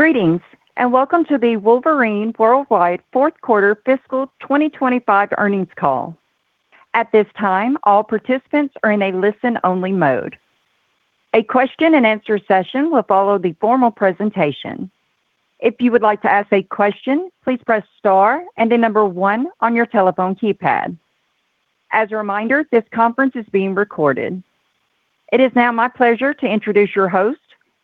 Greetings, welcome to the Wolverine World Wide Fourth Quarter Fiscal 2025 Earnings Call. At this time, all participants are in a listen-only mode. A question and answer session will follow the formal presentation. If you would like to ask a question, please press star and the number 1 on your telephone keypad. As a reminder, this conference is being recorded. It is now my pleasure to introduce your host,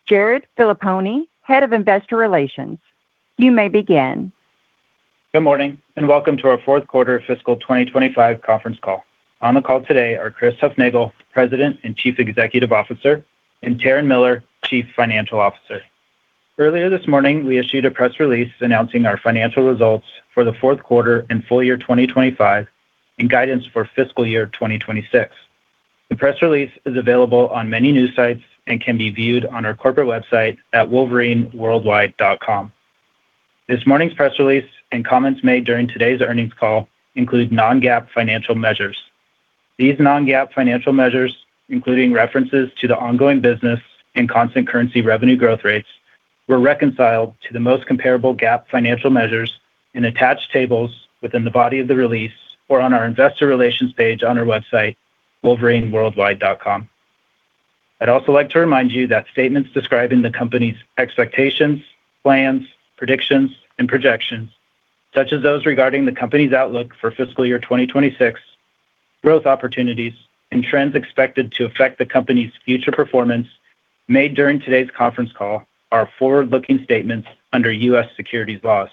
Jared Filippone, Head of Investor Relations. You may begin. Good morning, welcome to our fourth quarter fiscal 2025 conference call. On the call today are Chris Hufnagel, President and Chief Executive Officer, and Taryn Miller, Chief Financial Officer. Earlier this morning, we issued a press release announcing our financial results for the fourth quarter and full year 2025, and guidance for fiscal year 2026. The press release is available on many news sites and can be viewed on our corporate website at wolverineworldwide.com. This morning's press release and comments made during today's earnings call include non-GAAP financial measures. These non-GAAP financial measures, including references to the ongoing business and constant currency revenue growth rates, were reconciled to the most comparable GAAP financial measures in attached tables within the body of the release or on our investor relations page on our website, wolverineworldwide.com. I'd also like to remind you that statements describing the company's expectations, plans, predictions, and projections, such as those regarding the company's outlook for fiscal year 2026, growth opportunities, and trends expected to affect the company's future performance made during today's conference call are forward-looking statements under U.S. securities laws.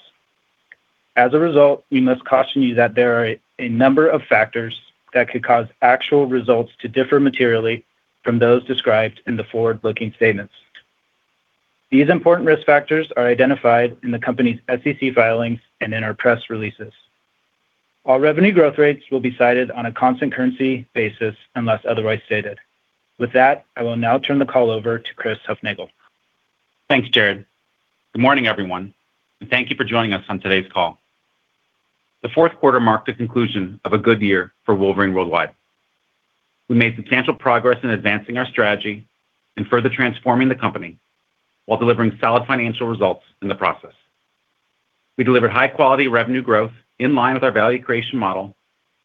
As a result, we must caution you that there are a number of factors that could cause actual results to differ materially from those described in the forward-looking statements. These important risk factors are identified in the company's SEC filings and in our press releases. All revenue growth rates will be cited on a constant currency basis, unless otherwise stated. With that, I will now turn the call over to Chris Hufnagel. Thanks, Jared. Good morning, everyone, and thank you for joining us on today's call. The fourth quarter marked the conclusion of a good year for Wolverine World Wide. We made substantial progress in advancing our strategy and further transforming the company while delivering solid financial results in the process. We delivered high-quality revenue growth in line with our value creation model,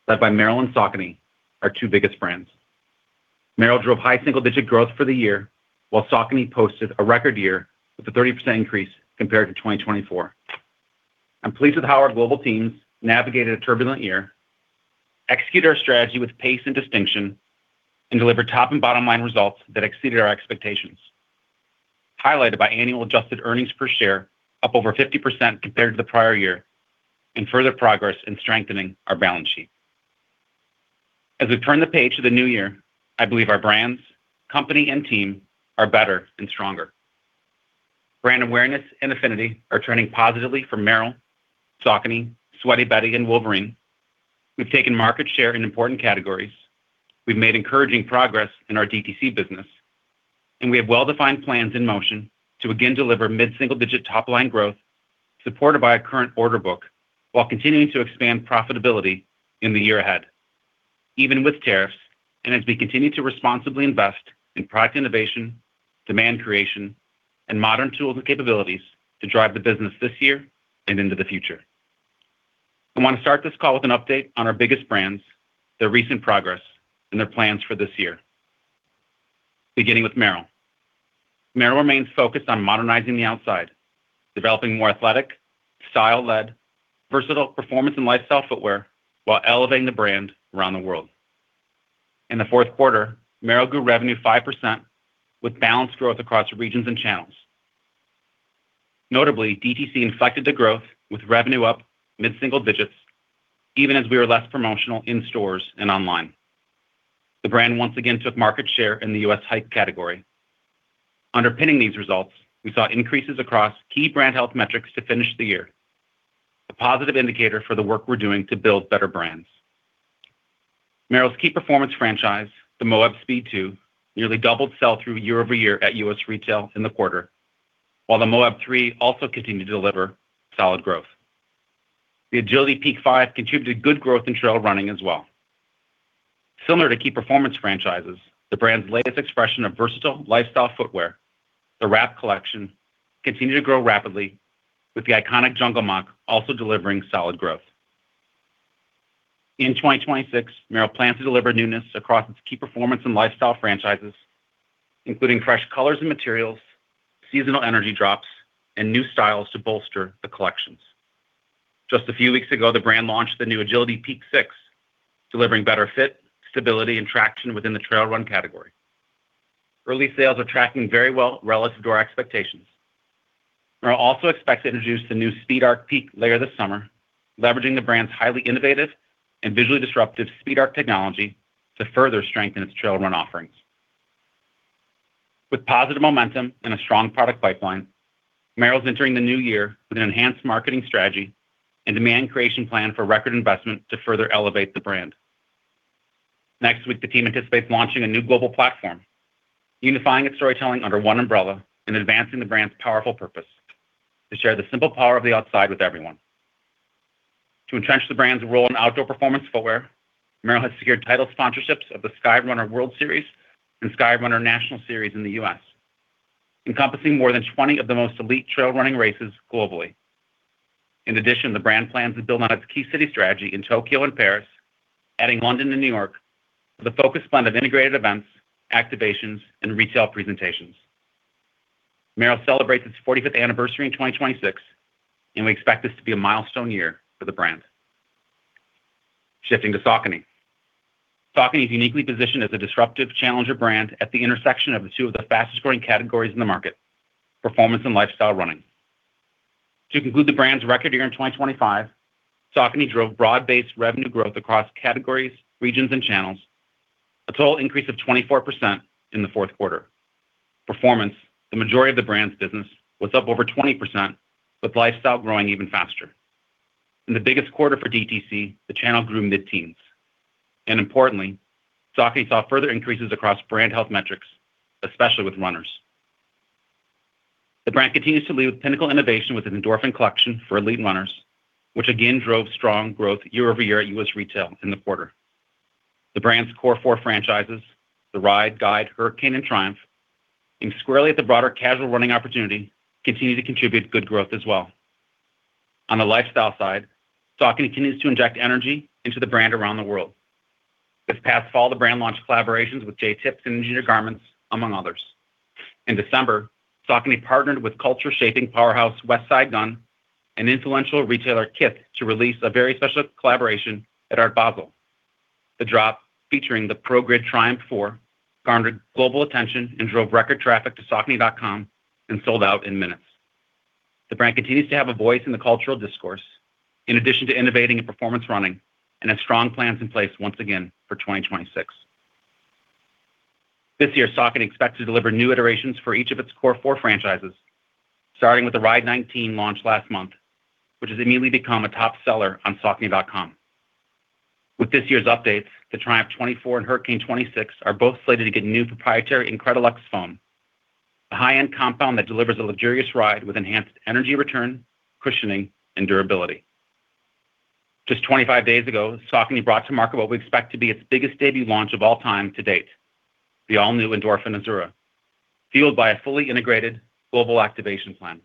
led by Merrell and Saucony, our two biggest brands. Merrell drove high single-digit growth for the year, while Saucony posted a record year with a 30% increase compared to 2024. I'm pleased with how our global teams navigated a turbulent year, executed our strategy with pace and distinction, and delivered top and bottom-line results that exceeded our expectations, highlighted by annual adjusted earnings per share up over 50% compared to the prior year, and further progress in strengthening our balance sheet. As we turn the page to the new year, I believe our brands, company, and team are better and stronger. Brand awareness and affinity are turning positively for Merrell, Saucony, Sweaty Betty, and Wolverine. We've taken market share in important categories. We've made encouraging progress in our DTC business, and we have well-defined plans in motion to again deliver mid-single-digit top-line growth, supported by our current order book, while continuing to expand profitability in the year ahead. Even with tariffs, and as we continue to responsibly invest in product innovation, demand creation, and modern tools and capabilities to drive the business this year and into the future. I want to start this call with an update on our biggest brands, their recent progress, and their plans for this year. Beginning with Merrell. Merrell remains focused on modernizing the outside, developing more athletic, style-led, versatile performance and lifestyle footwear while elevating the brand around the world. In the fourth quarter, Merrell grew revenue 5% with balanced growth across regions and channels. Notably, DTC inflicted the growth with revenue up mid-single digits, even as we were less promotional in stores and online. The brand once again took market share in the U.S. hike category. Underpinning these results, we saw increases across key brand health metrics to finish the year, a positive indicator for the work we're doing to build better brands. Merrell's key performance franchise, the Moab Speed 2, nearly doubled sell-through year-over-year at U.S. Retail in the quarter, while the Moab 3 also continued to deliver solid growth. The Agility Peak 5 contributed good growth in trail running as well. Similar to key performance franchises, the brand's latest expression of versatile lifestyle footwear, the Wrapt collection, continued to grow rapidly, with the iconic Jungle Moc also delivering solid growth. In 2026, Merrell plans to deliver newness across its key performance and lifestyle franchises, including fresh colors and materials, seasonal energy drops, and new styles to bolster the collections. Just a few weeks ago, the brand launched the new Agility Peak 6, delivering better fit, stability, and traction within the trail run category. Early sales are tracking very well relative to our expectations. Merrell also expects to introduce the new SpeedARC Peak later this summer, leveraging the brand's highly innovative and visually disruptive SpeedARC technology to further strengthen its trail run offerings. With positive momentum and a strong product pipeline, Merrell's entering the new year with an enhanced marketing strategy and demand creation plan for record investment to further elevate the brand. Next week, the team anticipates launching a new global platform, unifying its storytelling under one umbrella and advancing the brand's powerful purpose: to share the simple power of the outside with everyone. To entrench the brand's role in outdoor performance footwear, Merrell has secured title sponsorships of the Skyrunner World Series and Skyrunner National Series in the US, encompassing more than 20 of the most elite trail running races globally. In addition, the brand plans to build on its key city strategy in Tokyo and Paris, adding London and New York, with a focused blend of integrated events, activations, and retail presentations. Merrell celebrates its 45th anniversary in 2026, and we expect this to be a milestone year for the brand. Shifting to Saucony. Saucony is uniquely positioned as a disruptive challenger brand at the intersection of the 2 of the fastest-growing categories in the market: performance and lifestyle running. To conclude the brand's record year in 2025, Saucony drove broad-based revenue growth across categories, regions, and channels, a total increase of 24% in the fourth quarter. Performance, the majority of the brand's business, was up over 20%, with lifestyle growing even faster. In the biggest quarter for DTC, the channel grew mid-teens. Importantly, Saucony saw further increases across brand health metrics, especially with runners. The brand continues to lead with pinnacle innovation with an Endorphin collection for elite runners, which again drove strong growth year-over-year at US Retail in the quarter. The brand's core four franchises, the Ride, Guide, Hurricane, and Triumph, aimed squarely at the broader casual running opportunity, continue to contribute good growth as well. On the lifestyle side, Saucony continues to inject energy into the brand around the world. This past fall, the brand launched collaborations with Jae Tips and Engineered Garments, among others. In December, Saucony partnered with culture-shaping powerhouse, Westside Gunn, an influential retailer, Kith, to release a very special collaboration at Art Basel. The drop, featuring the Pro Grid Triumph 4, garnered global attention and drove record traffic to saucony.com and sold out in minutes. The brand continues to have a voice in the cultural discourse, in addition to innovating in performance running, and has strong plans in place once again for 2026. This year, Saucony expects to deliver new iterations for each of its core 4 franchises, starting with the Ride 19 launch last month, which has immediately become a top seller on saucony.com. With this year's updates, the Triumph 24 and Hurricane 26 are both slated to get new proprietary Incredilux foam, a high-end compound that delivers a luxurious ride with enhanced energy return, cushioning, and durability. Just 25 days ago, Saucony brought to market what we expect to be its biggest debut launch of all time to date, the all-new Endorphin Azura, fueled by a fully integrated global activation plan.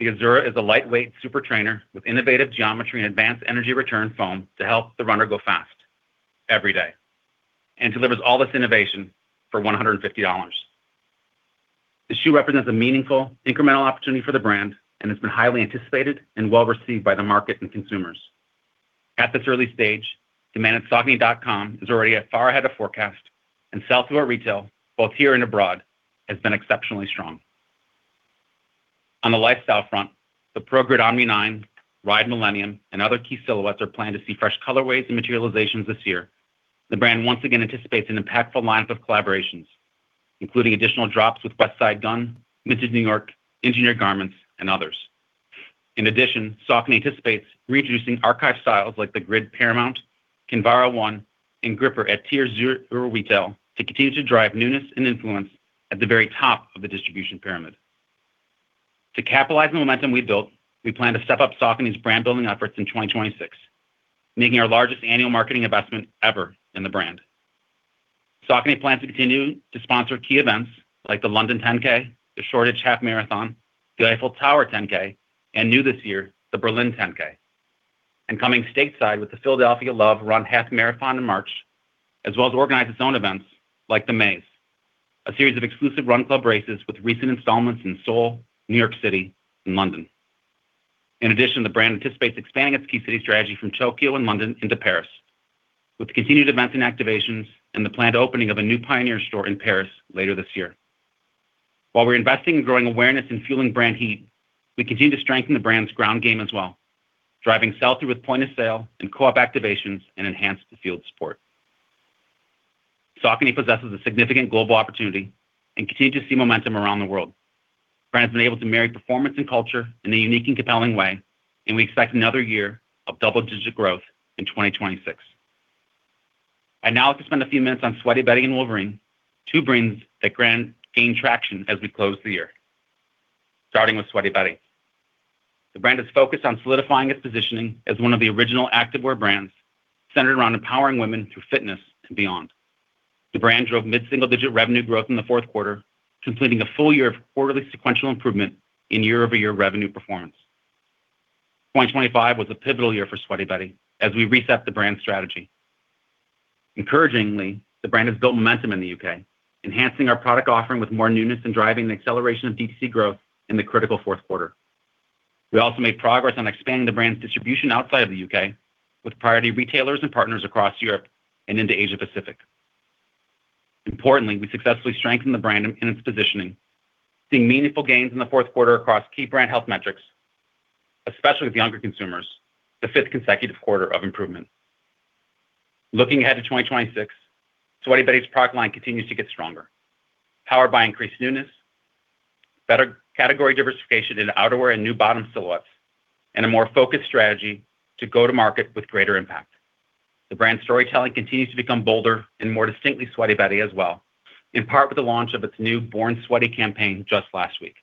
The Azura is a lightweight super trainer with innovative geometry and advanced energy return foam to help the runner go fast every day, and delivers all this innovation for $150. The shoe represents a meaningful incremental opportunity for the brand and has been highly anticipated and well-received by the market and consumers. At this early stage, demand at saucony.com is already far ahead of forecast, and sell-through at retail, both here and abroad, has been exceptionally strong. On the lifestyle front, the Pro Grid Omni 9, Ride Millennium, and other key silhouettes are planned to see fresh colorways and materializations this year. The brand once again anticipates an impactful lineup of collaborations, including additional drops with Westside Gunn, Misses New York, Engineered Garments, and others. In addition, Saucony anticipates reintroducing archive styles like the Grid Paramount, Kinvara 1, and Gripper at Tier Zero retail to continue to drive newness and influence at the very top of the distribution pyramid. To capitalize on the momentum we've built, we plan to step up Saucony's brand-building efforts in 2026, making our largest annual marketing investment ever in the brand. Saucony plans to continue to sponsor key events like the London 10K, the Shoreditch Half Marathon, the Eiffel Tower 10K, and new this year, the Berlin 10K. Coming stateside with the Love Run Philadelphia Half Marathon in March, as well as organize its own events like The Maze, a series of exclusive run club races with recent installments in Seoul, New York City, and London. In addition, the brand anticipates expanding its key city strategy from Tokyo and London into Paris, with continued events and activations and the planned opening of a new pioneer store in Paris later this year. While we're investing in growing awareness and fueling brand heat, we continue to strengthen the brand's ground game as well, driving sell-through with point-of-sale and co-op activations and enhanced field support. Saucony possesses a significant global opportunity and continues to see momentum around the world. The brand has been able to marry performance and culture in a unique and compelling way, and we expect another year of double-digit growth in 2026. I now like to spend a few minutes on Sweaty Betty and Wolverine, two brands that gained traction as we closed the year. Starting with Sweaty Betty. The brand is focused on solidifying its positioning as one of the original activewear brands centered around empowering women through fitness and beyond. The brand drove mid-single-digit revenue growth in the fourth quarter, completing a full year of quarterly sequential improvement in year-over-year revenue performance. 2025 was a pivotal year for Sweaty Betty as we reset the brand strategy. Encouragingly, the brand has built momentum in the UK, enhancing our product offering with more newness and driving the acceleration of DTC growth in the critical fourth quarter. We also made progress on expanding the brand's distribution outside of the UK with priority retailers and partners across Europe and into Asia Pacific. Importantly, we successfully strengthened the brand in its positioning, seeing meaningful gains in the fourth quarter across key brand health metrics, especially with younger consumers, the 5th consecutive quarter of improvement. Looking ahead to 2026, Sweaty Betty's product line continues to get stronger, powered by increased newness, better category diversification in outerwear and new bottom silhouettes, and a more focused strategy to go to market with greater impact. The brand storytelling continues to become bolder and more distinctly Sweaty Betty as well, in part with the launch of its new Born Sweaty campaign just last week.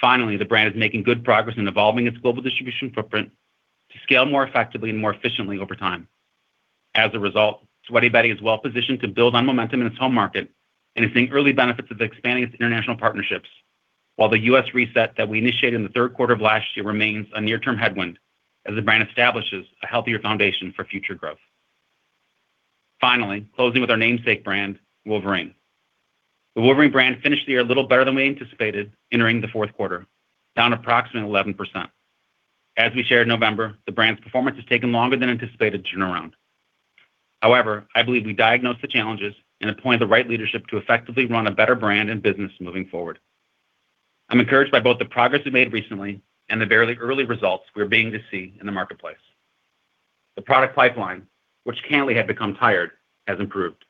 Finally, the brand is making good progress in evolving its global distribution footprint to scale more effectively and more efficiently over time. As a result, Sweaty Betty is well positioned to build on momentum in its home market, and it's seeing early benefits of expanding its international partnerships. While the US reset that we initiated in the third quarter of last year remains a near-term headwind as the brand establishes a healthier foundation for future growth. Finally, closing with our namesake brand, Wolverine. The Wolverine brand finished the year a little better than we anticipated entering the fourth quarter, down approximately 11%. As we shared in November, the brand's performance has taken longer than anticipated to turn around. However, I believe we diagnosed the challenges and appointed the right leadership to effectively run a better brand and business moving forward. I'm encouraged by both the progress we've made recently and the barely early results we are beginning to see in the marketplace. The product pipeline, which candidly had become tired, has improved.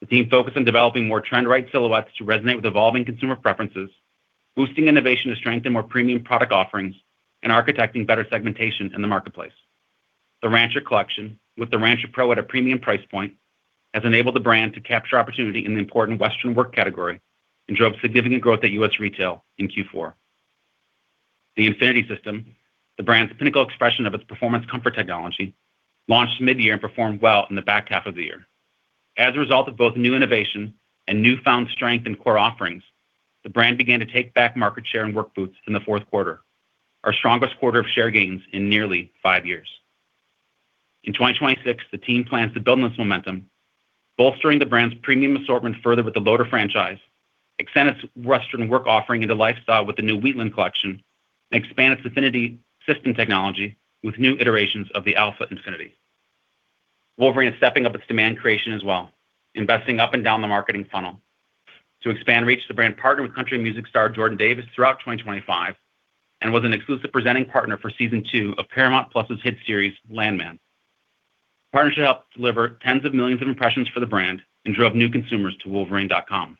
The team focused on developing more trend-right silhouettes to resonate with evolving consumer preferences, boosting innovation to strengthen more premium product offerings, and architecting better segmentation in the marketplace. The Rancher collection, with the Rancher Pro at a premium price point, has enabled the brand to capture opportunity in the important Western work category and drove significant growth at U.S. Retail in Q4. The Infinity System, the brand's pinnacle expression of its performance comfort technology, launched mid-year and performed well in the back half of the year. As a result of both new innovation and newfound strength in core offerings, the brand began to take back market share and work boots in the fourth quarter, our strongest quarter of share gains in nearly 5 years. In 2026, the team plans to build on this momentum, bolstering the brand's premium assortment further with the Loader franchise, extend its Western work offering into lifestyle with the new Wheatland collection, and expand its Infinity System technology with new iterations of the Alpha Infinity. Wolverine is stepping up its demand creation as well, investing up and down the marketing funnel. To expand reach, the brand partnered with country music star Jordan Davis throughout 2025 and was an exclusive presenting partner for Season 2 of Paramount+'s hit series, Landman. Partnership helped deliver tens of millions of impressions for the brand and drove new consumers to wolverine.com.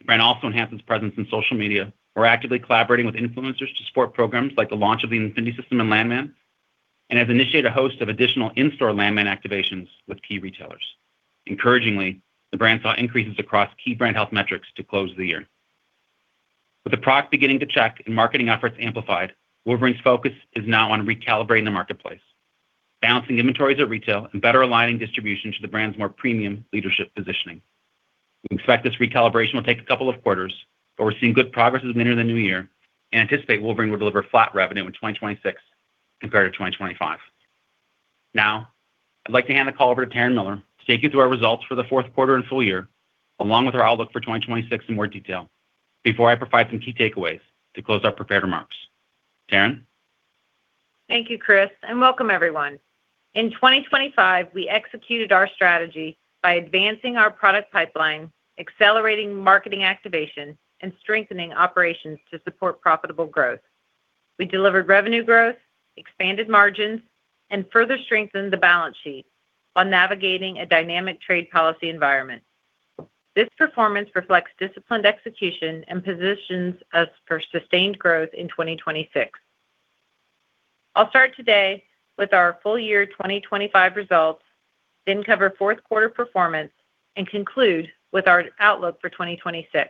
The brand also enhanced its presence in social media. We're actively collaborating with influencers to support programs like the launch of the Infinity System and Landman, and has initiated a host of additional in-store Landman activations with key retailers. Encouragingly, the brand saw increases across key brand health metrics to close the year. With the product beginning to check and marketing efforts amplified, Wolverine's focus is now on recalibrating the marketplace, balancing inventories at retail and better aligning distribution to the brand's more premium leadership positioning. We expect this recalibration will take a couple of quarters, but we're seeing good progress as we enter the new year and anticipate Wolverine will deliver flat revenue in 2026 compared to 2025. I'd like to hand the call over to Taryn Miller to take you through our results for the fourth quarter and full year, along with our outlook for 2026 in more detail before I provide some key takeaways to close our prepared remarks. Taryn? Thank you, Chris, and welcome everyone. In 2025, we executed our strategy by advancing our product pipeline, accelerating marketing activation, and strengthening operations to support profitable growth. We delivered revenue growth, expanded margins, and further strengthened the balance sheet while navigating a dynamic trade policy environment. This performance reflects disciplined execution and positions us for sustained growth in 2026. I'll start today with our full year 2025 results, then cover fourth quarter performance, and conclude with our outlook for 2026.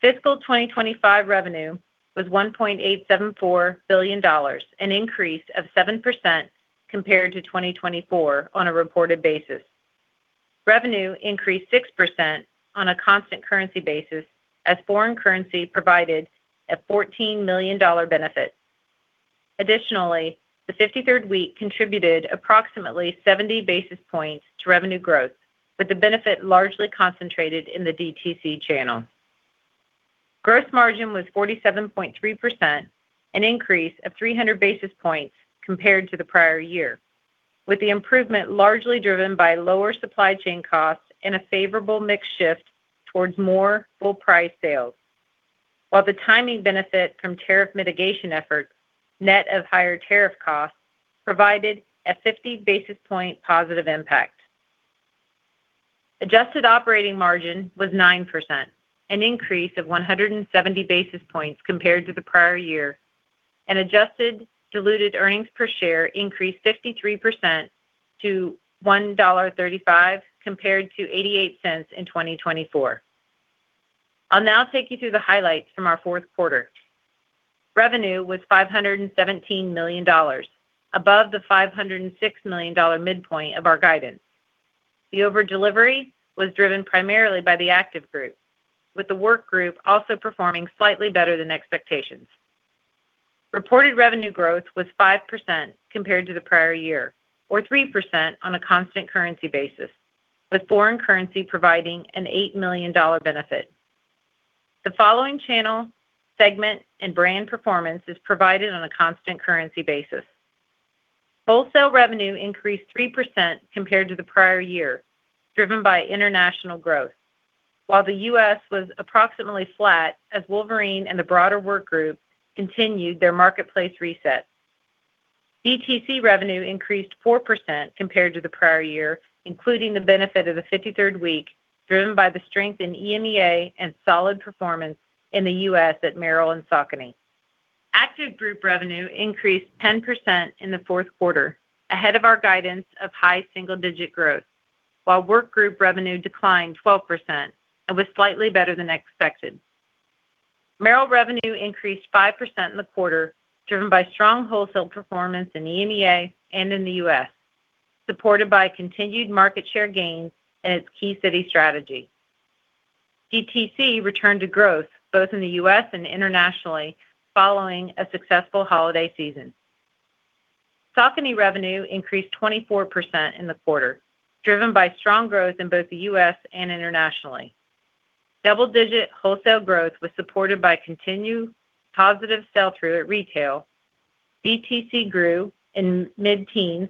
Fiscal 2025 revenue was $1.874 billion, an increase of 7% compared to 2024 on a reported basis. Revenue increased 6% on a constant currency basis as foreign currency provided a $14 million benefit. Additionally, the 53rd week contributed approximately 70 basis points to revenue growth, with the benefit largely concentrated in the DTC channel. Gross margin was 47.3%, an increase of 300 basis points compared to the prior year, with the improvement largely driven by lower supply chain costs and a favorable mix shift towards more full price sales. The timing benefit from tariff mitigation efforts, net of higher tariff costs, provided a 50 basis point positive impact. Adjusted operating margin was 9%, an increase of 170 basis points compared to the prior year. Adjusted diluted earnings per share increased 53% to $1.35, compared to $0.88 in 2024. I'll now take you through the highlights from our fourth quarter. Revenue was $517 million, above the $506 million midpoint of our guidance. The over delivery was driven primarily by the Active Group, with the Work Group also performing slightly better than expectations. Reported revenue growth was 5% compared to the prior year, or 3% on a constant currency basis, with foreign currency providing an $8 million benefit. The following channel, segment, and brand performance is provided on a constant currency basis. Wholesale revenue increased 3% compared to the prior year, driven by international growth. While the US was approximately flat, as Wolverine and the broader Work Group continued their marketplace reset. DTC revenue increased 4% compared to the prior year, including the benefit of the 53rd week driven by the strength in EMEA and solid performance in the US at Merrell and Saucony. Active Group revenue increased 10% in the fourth quarter, ahead of our guidance of high single-digit growth, while Work Group revenue declined 12% and was slightly better than expected. Merrell revenue increased 5% in the quarter, driven by strong wholesale performance in EMEA and in the US, supported by continued market share gains and its key city strategy. DTC returned to growth both in the US and internationally, following a successful holiday season. Saucony revenue increased 24% in the quarter, driven by strong growth in both the US and internationally. Double-digit wholesale growth was supported by continued positive sell-through at retail. DTC grew in mid-teens,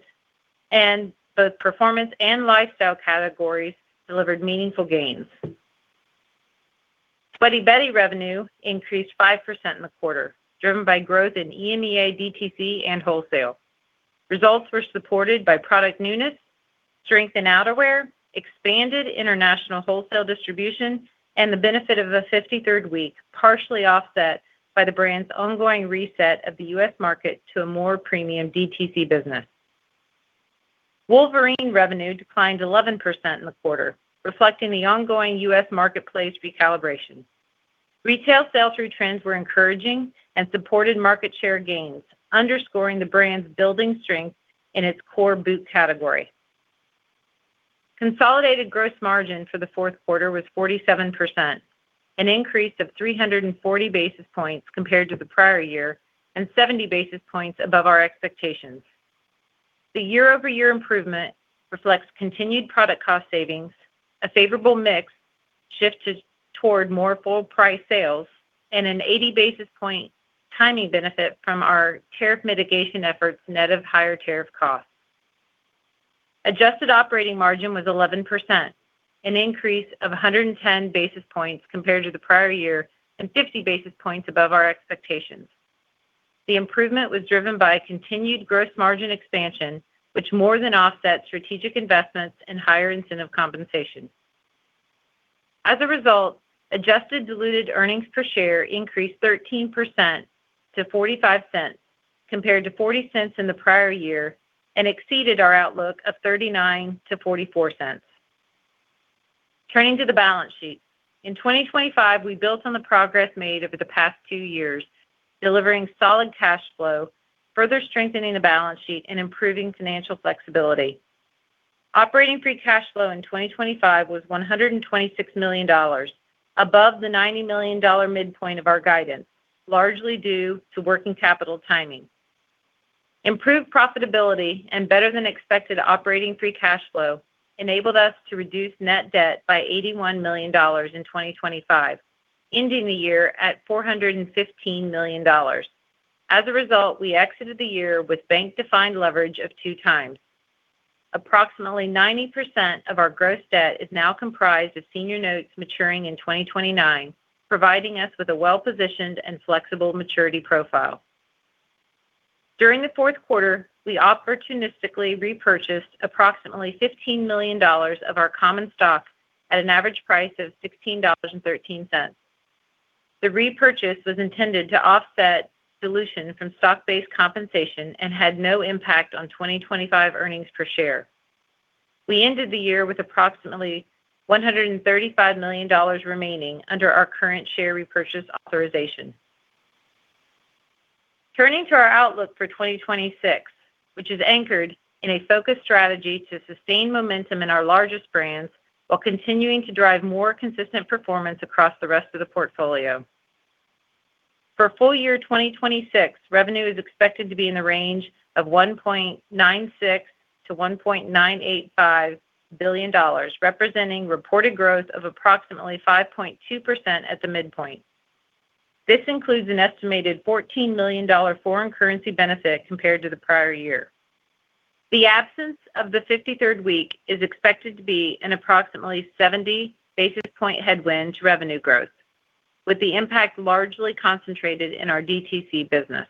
and both performance and lifestyle categories delivered meaningful gains. Sweaty Betty revenue increased 5% in the quarter, driven by growth in EMEA, DTC, and wholesale. Results were supported by product newness, strength in outerwear, expanded international wholesale distribution, and the benefit of a 53rd week, partially offset by the brand's ongoing reset of the US market to a more premium DTC business. Wolverine revenue declined 11% in the quarter, reflecting the ongoing US marketplace recalibration. Retail sell-through trends were encouraging and supported market share gains, underscoring the brand's building strength in its core boot category. Consolidated gross margin for the fourth quarter was 47%, an increase of 340 basis points compared to the prior year and 70 basis points above our expectations. The year-over-year improvement reflects continued product cost savings, a favorable mix shift toward more full price sales, and an 80 basis point timing benefit from our tariff mitigation efforts net of higher tariff costs. Adjusted operating margin was 11%, an increase of 110 basis points compared to the prior year and 50 basis points above our expectations. The improvement was driven by a continued gross margin expansion, which more than offset strategic investments and higher incentive compensation. As a result, adjusted diluted earnings per share increased 13% to $0.45, compared to $0.40 in the prior year and exceeded our outlook of $0.39-$0.44. Turning to the balance sheet. In 2025, we built on the progress made over the past two years, delivering solid cash flow, further strengthening the balance sheet, and improving financial flexibility. Operating free cash flow in 2025 was $126 million, above the $90 million midpoint of our guidance, largely due to working capital timing. Improved profitability and better-than-expected operating free cash flow enabled us to reduce net debt by $81 million in 2025, ending the year at $415 million. As a result, we exited the year with bank-defined leverage of 2 times. Approximately 90% of our gross debt is now comprised of senior notes maturing in 2029, providing us with a well-positioned and flexible maturity profile. During the fourth quarter, we opportunistically repurchased approximately $15 million of our common stock at an average price of $16.13. The repurchase was intended to offset dilution from stock-based compensation and had no impact on 2025 earnings per share. We ended the year with approximately $135 million remaining under our current share repurchase authorization. Turning to our outlook for 2026, which is anchored in a focused strategy to sustain momentum in our largest brands, while continuing to drive more consistent performance across the rest of the portfolio. For full year 2026, revenue is expected to be in the range of $1.96 billion-$1.985 billion, representing reported growth of approximately 5.2% at the midpoint. This includes an estimated $14 million foreign currency benefit compared to the prior year. The absence of the 53rd week is expected to be an approximately 70 basis point headwind to revenue growth, with the impact largely concentrated in our DTC business.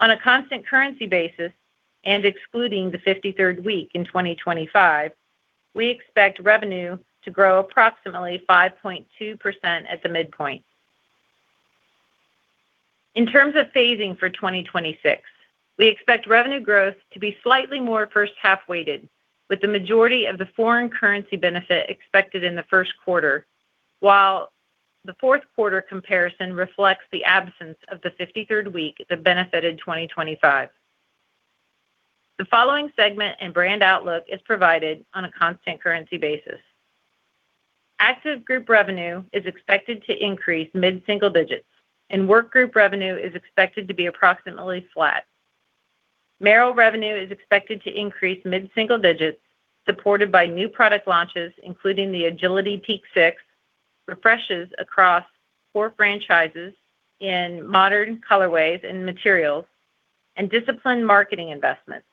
On a constant currency basis and excluding the 53rd week in 2025, we expect revenue to grow approximately 5.2% at the midpoint. In terms of phasing for 2026, we expect revenue growth to be slightly more first half weighted, with the majority of the foreign currency benefit expected in the first quarter, while the fourth quarter comparison reflects the absence of the 53rd week that benefited 2025. The following segment and brand outlook is provided on a constant currency basis. Active Group revenue is expected to increase mid-single digits, and Work Group revenue is expected to be approximately flat. Merrell revenue is expected to increase mid-single digits, supported by new product launches, including the Agility Peak 6, refreshes across core franchises in modern colorways and materials, and disciplined marketing investments.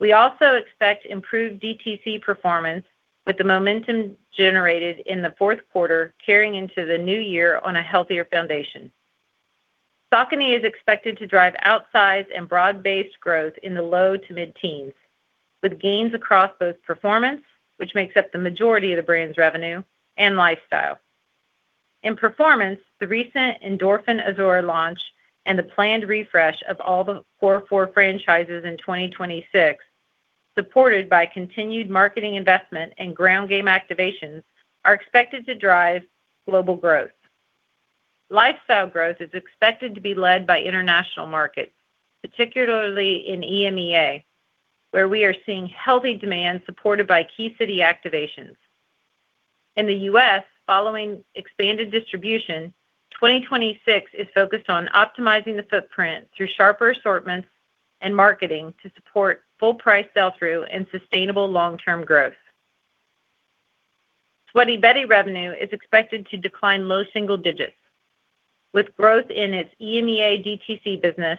We also expect improved DTC performance, with the momentum generated in the fourth quarter carrying into the new year on a healthier foundation. Saucony is expected to drive outsized and broad-based growth in the low to mid-teens, with gains across both performance, which makes up the majority of the brand's revenue, and lifestyle. In performance, the recent Endorphin Azure launch and the planned refresh of all the four franchises in 2026, supported by continued marketing investment and ground game activations, are expected to drive global growth. Lifestyle growth is expected to be led by international markets, particularly in EMEA, where we are seeing healthy demand supported by key city activations. In the U.S., following expanded distribution, 2026 is focused on optimizing the footprint through sharper assortments and marketing to support full price sell-through and sustainable long-term growth. Sweaty Betty revenue is expected to decline low single digits, with growth in its EMEA DTC business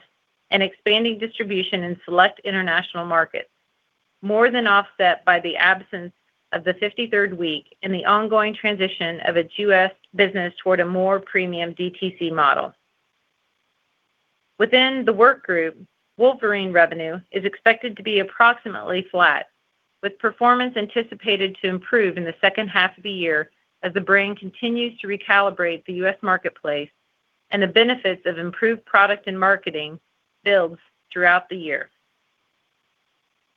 and expanding distribution in select international markets, more than offset by the absence of the fifty-third week and the ongoing transition of its U.S. business toward a more premium DTC model. Within the Work Group, Wolverine revenue is expected to be approximately flat, with performance anticipated to improve in the second half of the year as the brand continues to recalibrate the U.S. marketplace and the benefits of improved product and marketing builds throughout the year.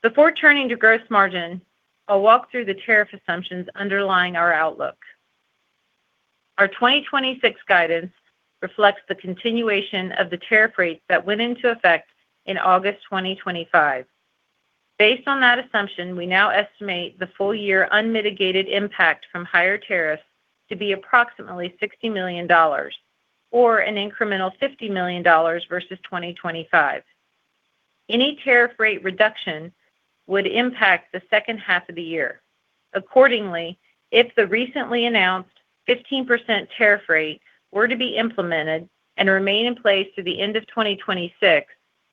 Before turning to gross margin, I'll walk through the tariff assumptions underlying our outlook. Our 2026 guidance reflects the continuation of the tariff rates that went into effect in August 2025. Based on that assumption, we now estimate the full year unmitigated impact from higher tariffs to be approximately $60 million, or an incremental $50 million versus 2025. Any tariff rate reduction would impact the second half of the year. If the recently announced 15% tariff rate were to be implemented and remain in place through the end of 2026,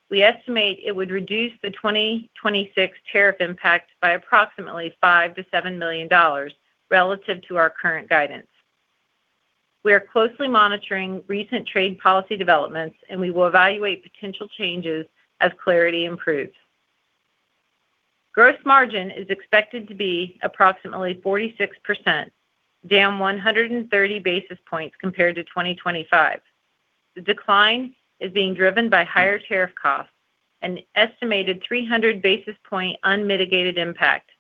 we estimate it would reduce the 2026 tariff impact by approximately $5 million-$7 million relative to our current guidance. We are closely monitoring recent trade policy developments. We will evaluate potential changes as clarity improves. Gross margin is expected to be approximately 46%, down 130 basis points compared to 2025. The decline is being driven by higher tariff costs, an estimated 300 basis point unmitigated impact,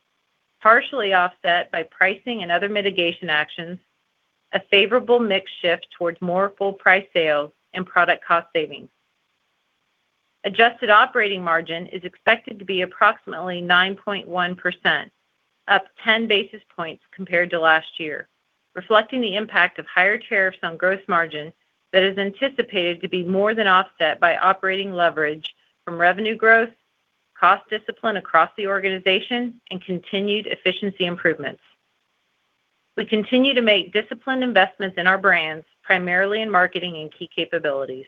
partially offset by pricing and other mitigation actions, a favorable mix shift towards more full price sales and product cost savings. Adjusted operating margin is expected to be approximately 9.1%, up 10 basis points compared to last year, reflecting the impact of higher tariffs on gross margin that is anticipated to be more than offset by operating leverage from revenue growth, cost discipline across the organization, and continued efficiency improvements. We continue to make disciplined investments in our brands, primarily in marketing and key capabilities.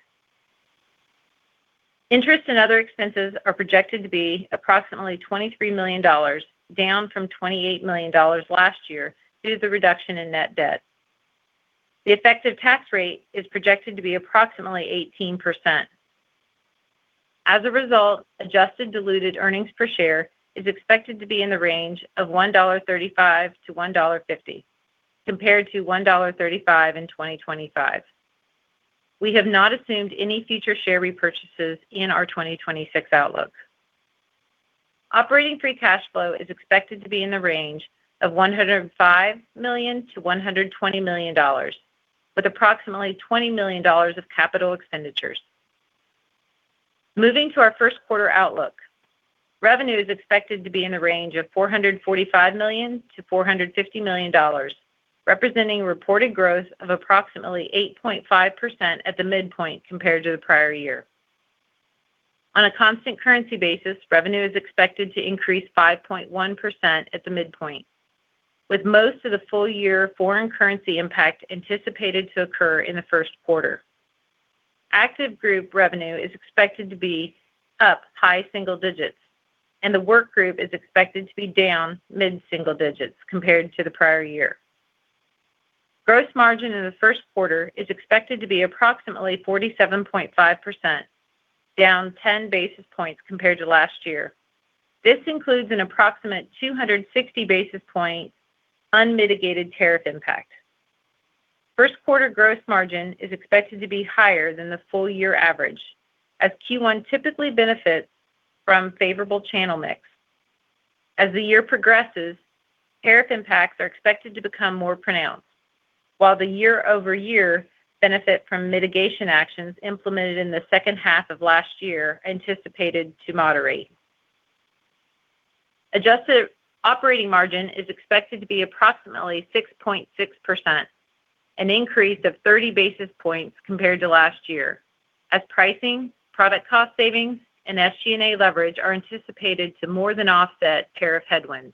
Interest and other expenses are projected to be approximately $23 million, down from $28 million last year due to the reduction in net debt. The effective tax rate is projected to be approximately 18%. As a result, adjusted diluted earnings per share is expected to be in the range of $1.35-$1.50, compared to $1.35 in 2025. We have not assumed any future share repurchases in our 2026 outlook. Operating free cash flow is expected to be in the range of $105 million-$120 million, with approximately $20 million of capital expenditures. Moving to our first quarter outlook. Revenue is expected to be in the range of $445 million-$450 million, representing reported growth of approximately 8.5% at the midpoint compared to the prior year. On a constant currency basis, revenue is expected to increase 5.1% at the midpoint, with most of the full-year foreign currency impact anticipated to occur in the first quarter. Active Group revenue is expected to be up high single digits, and the Work Group is expected to be down mid-single digits compared to the prior year. Gross margin in the first quarter is expected to be approximately 47.5%, down 10 basis points compared to last year. This includes an approximate 260 basis point unmitigated tariff impact. First quarter gross margin is expected to be higher than the full year average, as Q1 typically benefits from favorable channel mix. As the year progresses, tariff impacts are expected to become more pronounced, while the year-over-year benefit from mitigation actions implemented in the second half of last year anticipated to moderate. Adjusted operating margin is expected to be approximately 6.6%, an increase of 30 basis points compared to last year, as pricing, product cost savings, and SG&A leverage are anticipated to more than offset tariff headwinds.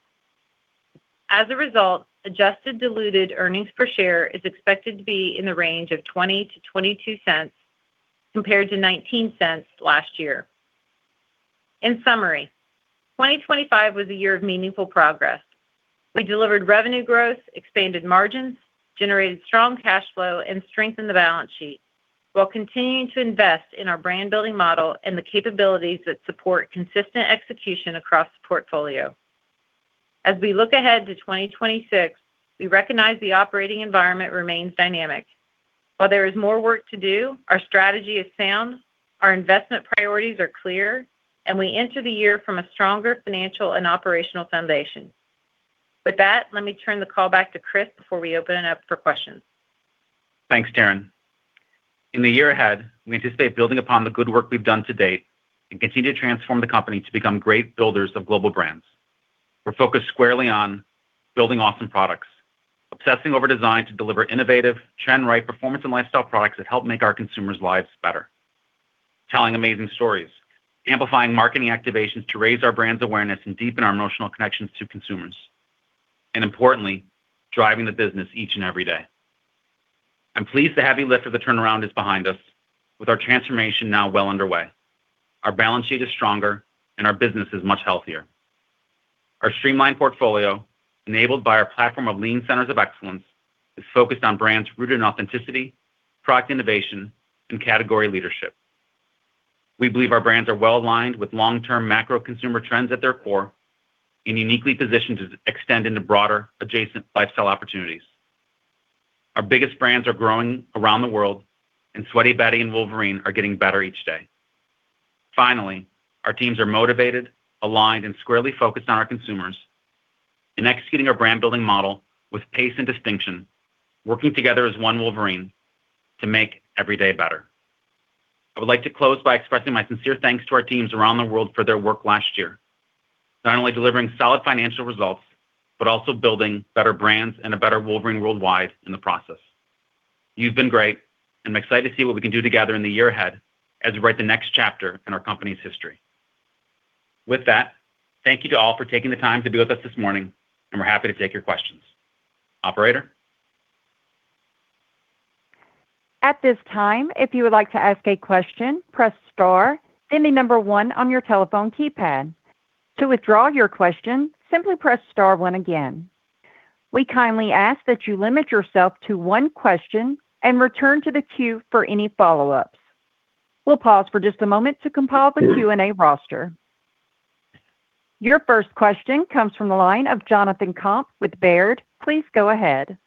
Adjusted diluted earnings per share is expected to be in the range of $0.20-$0.22, compared to $0.19 last year. In summary, 2025 was a year of meaningful progress. We delivered revenue growth, expanded margins, generated strong cash flow, and strengthened the balance sheet, while continuing to invest in our brand-building model and the capabilities that support consistent execution across the portfolio. We look ahead to 2026, we recognize the operating environment remains dynamic. While there is more work to do, our strategy is sound, our investment priorities are clear, and we enter the year from a stronger financial and operational foundation. With that, let me turn the call back to Chris before we open it up for questions. Thanks, Taryn. In the year ahead, we anticipate building upon the good work we've done to date and continue to transform the company to become great builders of global brands. We're focused squarely on building awesome products, obsessing over design to deliver innovative, trend-right performance and lifestyle products that help make our consumers' lives better. Telling amazing stories, amplifying marketing activations to raise our brand's awareness and deepen our emotional connections to consumers, and importantly, driving the business each and every day. I'm pleased the heavy lift of the turnaround is behind us with our transformation now well underway. Our balance sheet is stronger and our business is much healthier. Our streamlined portfolio, enabled by our platform of lean centers of excellence, is focused on brands rooted in authenticity, product innovation, and category leadership. We believe our brands are well aligned with long-term macro consumer trends at their core and uniquely positioned to extend into broader adjacent lifestyle opportunities. Our biggest brands are growing around the world, and Sweaty Betty and Wolverine are getting better each day. Finally, our teams are motivated, aligned, and squarely focused on our consumers in executing our brand-building model with pace and distinction, working together as One Wolverine to make every day better. I would like to close by expressing my sincere thanks to our teams around the world for their work last year, not only delivering solid financial results, but also building better brands and a better Wolverine Worldwide in the process. You've been great, and I'm excited to see what we can do together in the year ahead as we write the next chapter in our company's history. With that, thank you to all for taking the time to be with us this morning, and we're happy to take your questions. Operator? At this time, if you would like to ask a question, press star, then the 1 on your telephone keypad. To withdraw your question, simply press star 1 again. We kindly ask that you limit yourself to 1 question and return to the queue for any follow-ups. We'll pause for just a moment to compile the Q&A roster. Your first question comes from the line of Jonathan Komp with Baird. Please go ahead.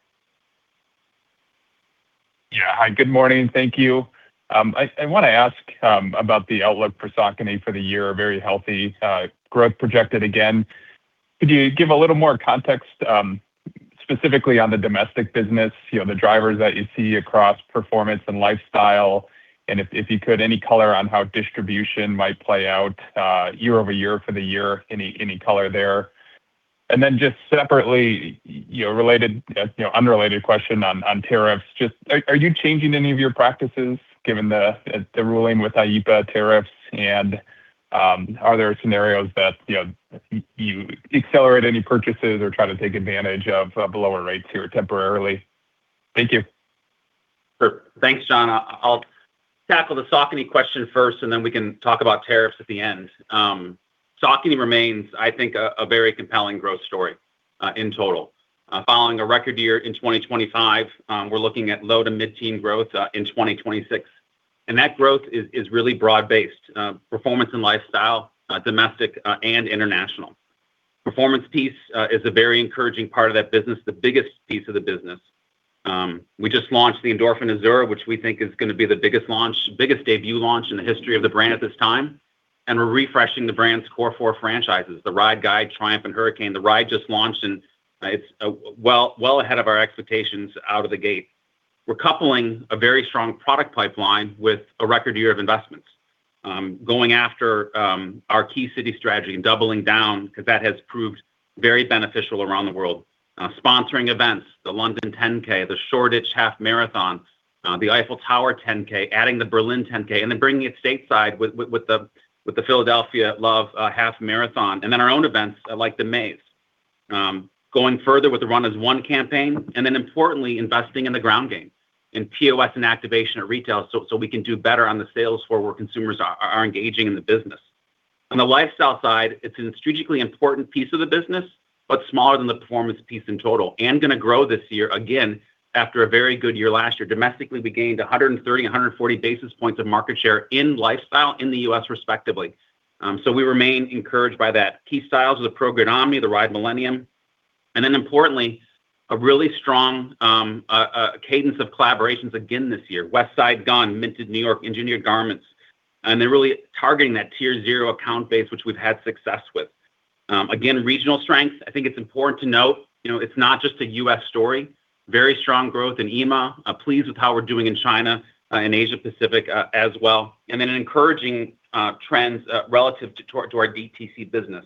Yeah. Hi, good morning. Thank you. I want to ask about the outlook for Saucony for the year. A very healthy growth projected again. Could you give a little more context specifically on the domestic business, you know, the drivers that you see across performance and lifestyle? If you could, any color on how distribution might play out year-over-year for the year, any color there? Just separately, you know, related, you know, unrelated question on tariffs. Are you changing any of your practices given the ruling with IEEPA tariffs? Are there scenarios that, you know, you accelerate any purchases or try to take advantage of lower rates here temporarily? Thank you. Sure. Thanks, John. I'll tackle the Saucony question first, and then we can talk about tariffs at the end. Saucony remains, I think, a very compelling growth story in total. Following a record year in 2025, we're looking at low to mid-teen growth in 2026, and that growth is really broad-based, performance and lifestyle, domestic and international. Performance piece is a very encouraging part of that business, the biggest piece of the business. We just launched the Endorphin Azura, which we think is going to be the biggest debut launch in the history of the brand at this time, and we're refreshing the brand's core four franchises, the Ride, Guide, Triumph, and Hurricane. The Ride just launched, and it's well ahead of our expectations out of the gate. We're coupling a very strong product pipeline with a record year of investments, going after our key city strategy and doubling down, because that has proved very beneficial around the world. Sponsoring events, the London 10K, the Shoreditch Half Marathon, the Eiffel Tower 10K, adding the Berlin 10K, and then bringing it stateside with the Philadelphia Love Half Marathon, and then our own events, like The Maze. Going further with the Run as One campaign, and then importantly, investing in the ground game, in POS and activation at retail, so we can do better on the sales floor where consumers are engaging in the business. On the lifestyle side, it's a strategically important piece of the business, but smaller than the performance piece in total, and going to grow this year. After a very good year last year, domestically, we gained 130, 140 basis points of market share in lifestyle in the U.S. respectively. We remain encouraged by that. Key styles are the ProGrid Omni 9, the Ride Millennium, and then importantly, a really strong cadence of collaborations again this year. Westside Gunn, Minted New York, Engineered Garments, and they're really targeting that Tier Zero account base, which we've had success with. Regional strength, I think it's important to note, you know, it's not just a U.S. story. Very strong growth in EMEA. Pleased with how we're doing in China, and Asia Pacific as well. Encouraging trends relative to our DTC business.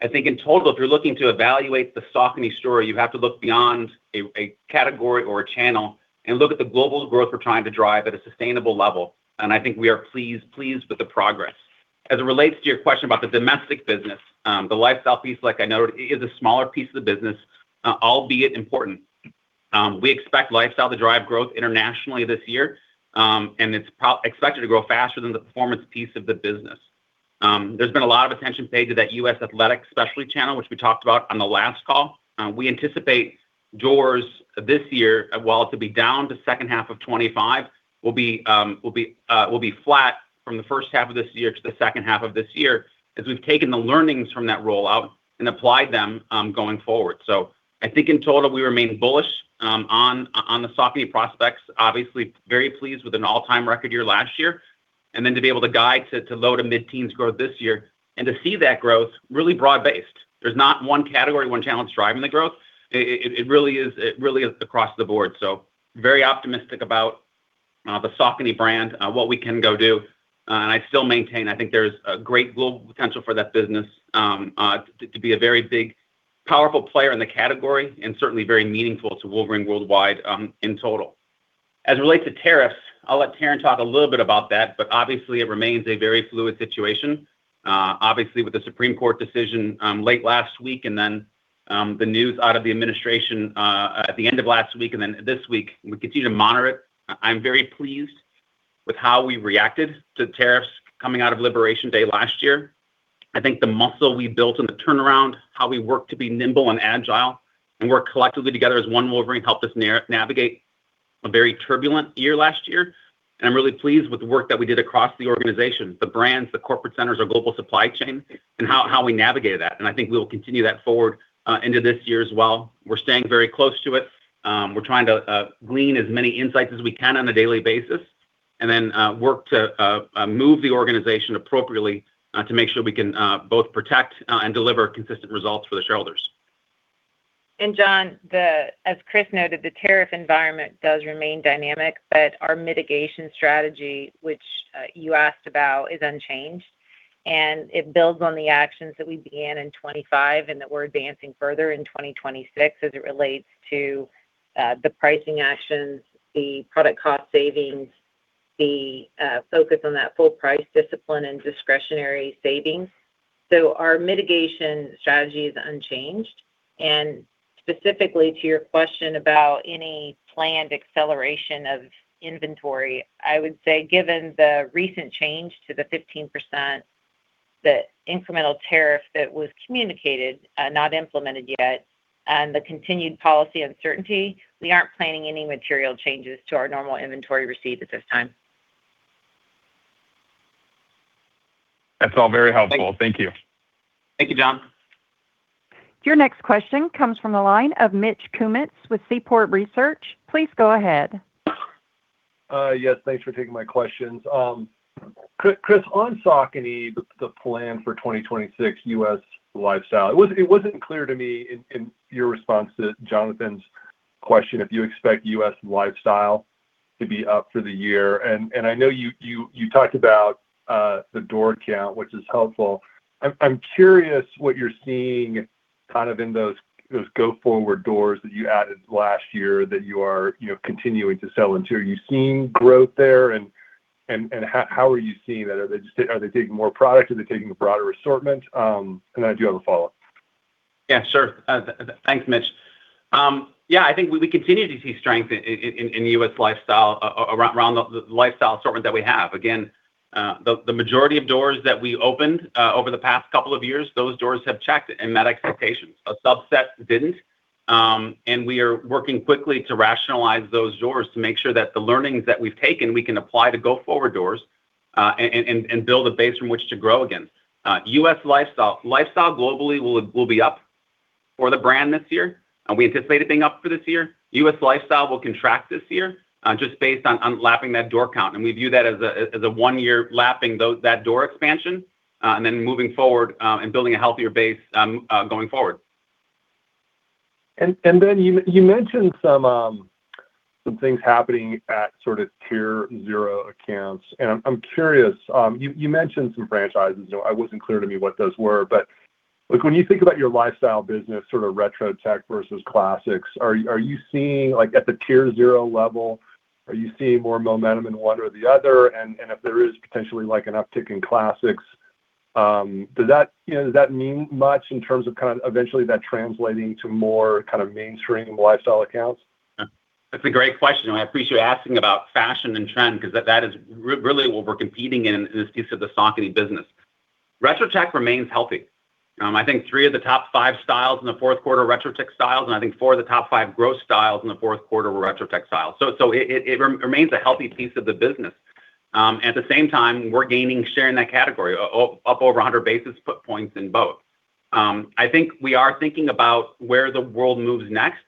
I think in total, if you're looking to evaluate the Saucony story, you have to look beyond a category or a channel and look at the global growth we're trying to drive at a sustainable level, and I think we are pleased with the progress. As it relates to your question about the domestic business, the lifestyle piece, like I noted, is a smaller piece of the business, albeit important. We expect lifestyle to drive growth internationally this year, and it's expected to grow faster than the performance piece of the business. There's been a lot of attention paid to that US athletic specialty channel, which we talked about on the last call. We anticipate doors this year, while it'll be down to second half of 25, will be flat from the first half of this year to the second half of this year, as we've taken the learnings from that rollout and applied them going forward. I think in total, we remain bullish on the Saucony prospects. Obviously, very pleased with an all-time record year last year, and then to be able to guide to low- to mid-teens growth this year and to see that growth really broad-based. There's not one category, one channel driving the growth. It really is across the board. Very optimistic about the Saucony brand, what we can go do. I still maintain, I think there's a great global potential for that business to be a very big, powerful player in the category and certainly very meaningful to Wolverine World Wide in total. As it relates to tariffs, I'll let Taryn talk a little bit about that, but obviously, it remains a very fluid situation. Obviously, with the Supreme Court decision late last week, and then the news out of the administration at the end of last week and then this week, we continue to monitor it. I'm very pleased with how we reacted to tariffs coming out of Liberation Day last year. I think the muscle we built in the turnaround, how we worked to be nimble and agile and work collectively together as One Wolverine helped us navigate a very turbulent year last year. I'm really pleased with the work that we did across the organization, the brands, the corporate centers, our global supply chain, and how we navigated that. I think we will continue that forward into this year as well. We're staying very close to it. We're trying to glean as many insights as we can on a daily basis and then work to move the organization appropriately to make sure we can both protect and deliver consistent results for the shareholders. John, as Chris noted, the tariff environment does remain dynamic, but our mitigation strategy, which you asked about, is unchanged, and it builds on the actions that we began in 2025 and that we're advancing further in 2026 as it relates to the pricing actions, the product cost savings, the focus on that full price discipline and discretionary savings. Our mitigation strategy is unchanged. Specifically, to your question about any planned acceleration of inventory, I would say, given the recent change to the 15%, the incremental tariff that was communicated, not implemented yet, and the continued policy uncertainty, we aren't planning any material changes to our normal inventory receipts at this time. That's all very helpful. Thank you. Thank you, John. Your next question comes from the line of Mitch Kummetz with Seaport Research. Please go ahead. Yes, thanks for taking my questions. Chris, on Saucony, the plan for 2026 US lifestyle, it wasn't clear to me in your response to Jonathan's question if you expect US lifestyle to be up for the year. I know you talked about the door count, which is helpful. I'm curious what you're seeing kind of in those go-forward doors that you added last year that you are, you know, continuing to sell into. Are you seeing growth there? How are you seeing that? Are they taking more product? Are they taking a broader assortment? I do have a follow-up. Yeah, sure. Thanks, Mitch. Yeah, I think we continue to see strength in U.S. lifestyle around the lifestyle assortment that we have. Again, the majority of doors that we opened over the past couple of years, those doors have checked and met expectations. A subset didn't, and we are working quickly to rationalize those doors to make sure that the learnings that we've taken, we can apply to go-forward doors, and build a base from which to grow again. U.S. lifestyle globally will be up for the brand this year, and we anticipate it being up for this year. US lifestyle will contract this year, just based on lapping that door count. We view that as a one-year lapping that door expansion, and then moving forward and building a healthier base going forward. You mentioned some things happening at sort of Tier Zero accounts. I'm curious, you mentioned some franchises, so I wasn't clear to me what those were. Look, when you think about your lifestyle business, sort of Retro Tech versus classics, are you seeing, like, at the Tier Zero level, are you seeing more momentum in one or the other? If there is potentially, like, an uptick in classics, does that, you know, does that mean much in terms of kind of eventually that translating to more kind of mainstream lifestyle accounts? That's a great question. I appreciate you asking about fashion and trend because that is really what we're competing in this piece of the Saucony business. Retro Tech remains healthy. I think 3 of the top 5 styles in the fourth quarter were Retro Tech styles, and I think 4 of the top 5 growth styles in the fourth quarter were Retro Tech styles. It remains a healthy piece of the business. At the same time, we're gaining share in that category, up over 100 basis points in both. I think we are thinking about where the world moves next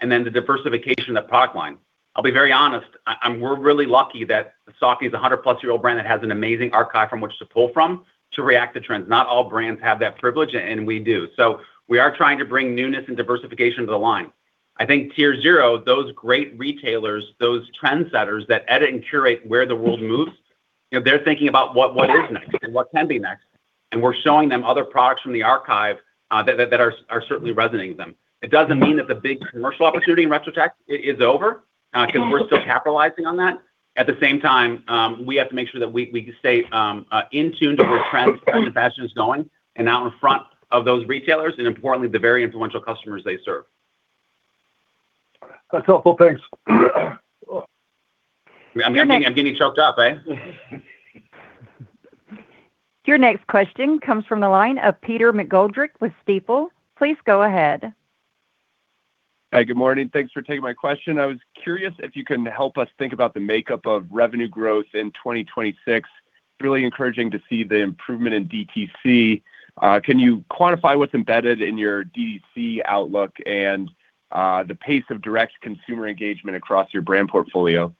and then the diversification of the product line. I'll be very honest, I'm really lucky that Saucony is a 100-plus-year-old brand that has an amazing archive from which to pull from to react to trends. Not all brands have that privilege, we do. We are trying to bring newness and diversification to the line. I think Tier Zero, those great retailers, those trendsetters that edit and curate where the world moves, you know, they're thinking about what is next and what can be next, and we're showing them other products from the archive that are certainly resonating with them. It doesn't mean that the big commercial opportunity in Retro Tech is over... because we're still capitalizing on that. At the same time, we have to make sure that we stay in tune to where trend and fashion is going and out in front of those retailers, and importantly, the very influential customers they serve. That's helpful. Thanks. I'm getting choked up, eh? Your next question comes from the line of Peter McGoldrick with Stifel. Please go ahead. Hi, good morning. Thanks for taking my question. I was curious if you can help us think about the makeup of revenue growth in 2026. It's really encouraging to see the improvement in DTC. Can you quantify what's embedded in your DTC outlook and the pace of direct consumer engagement across your brand portfolio?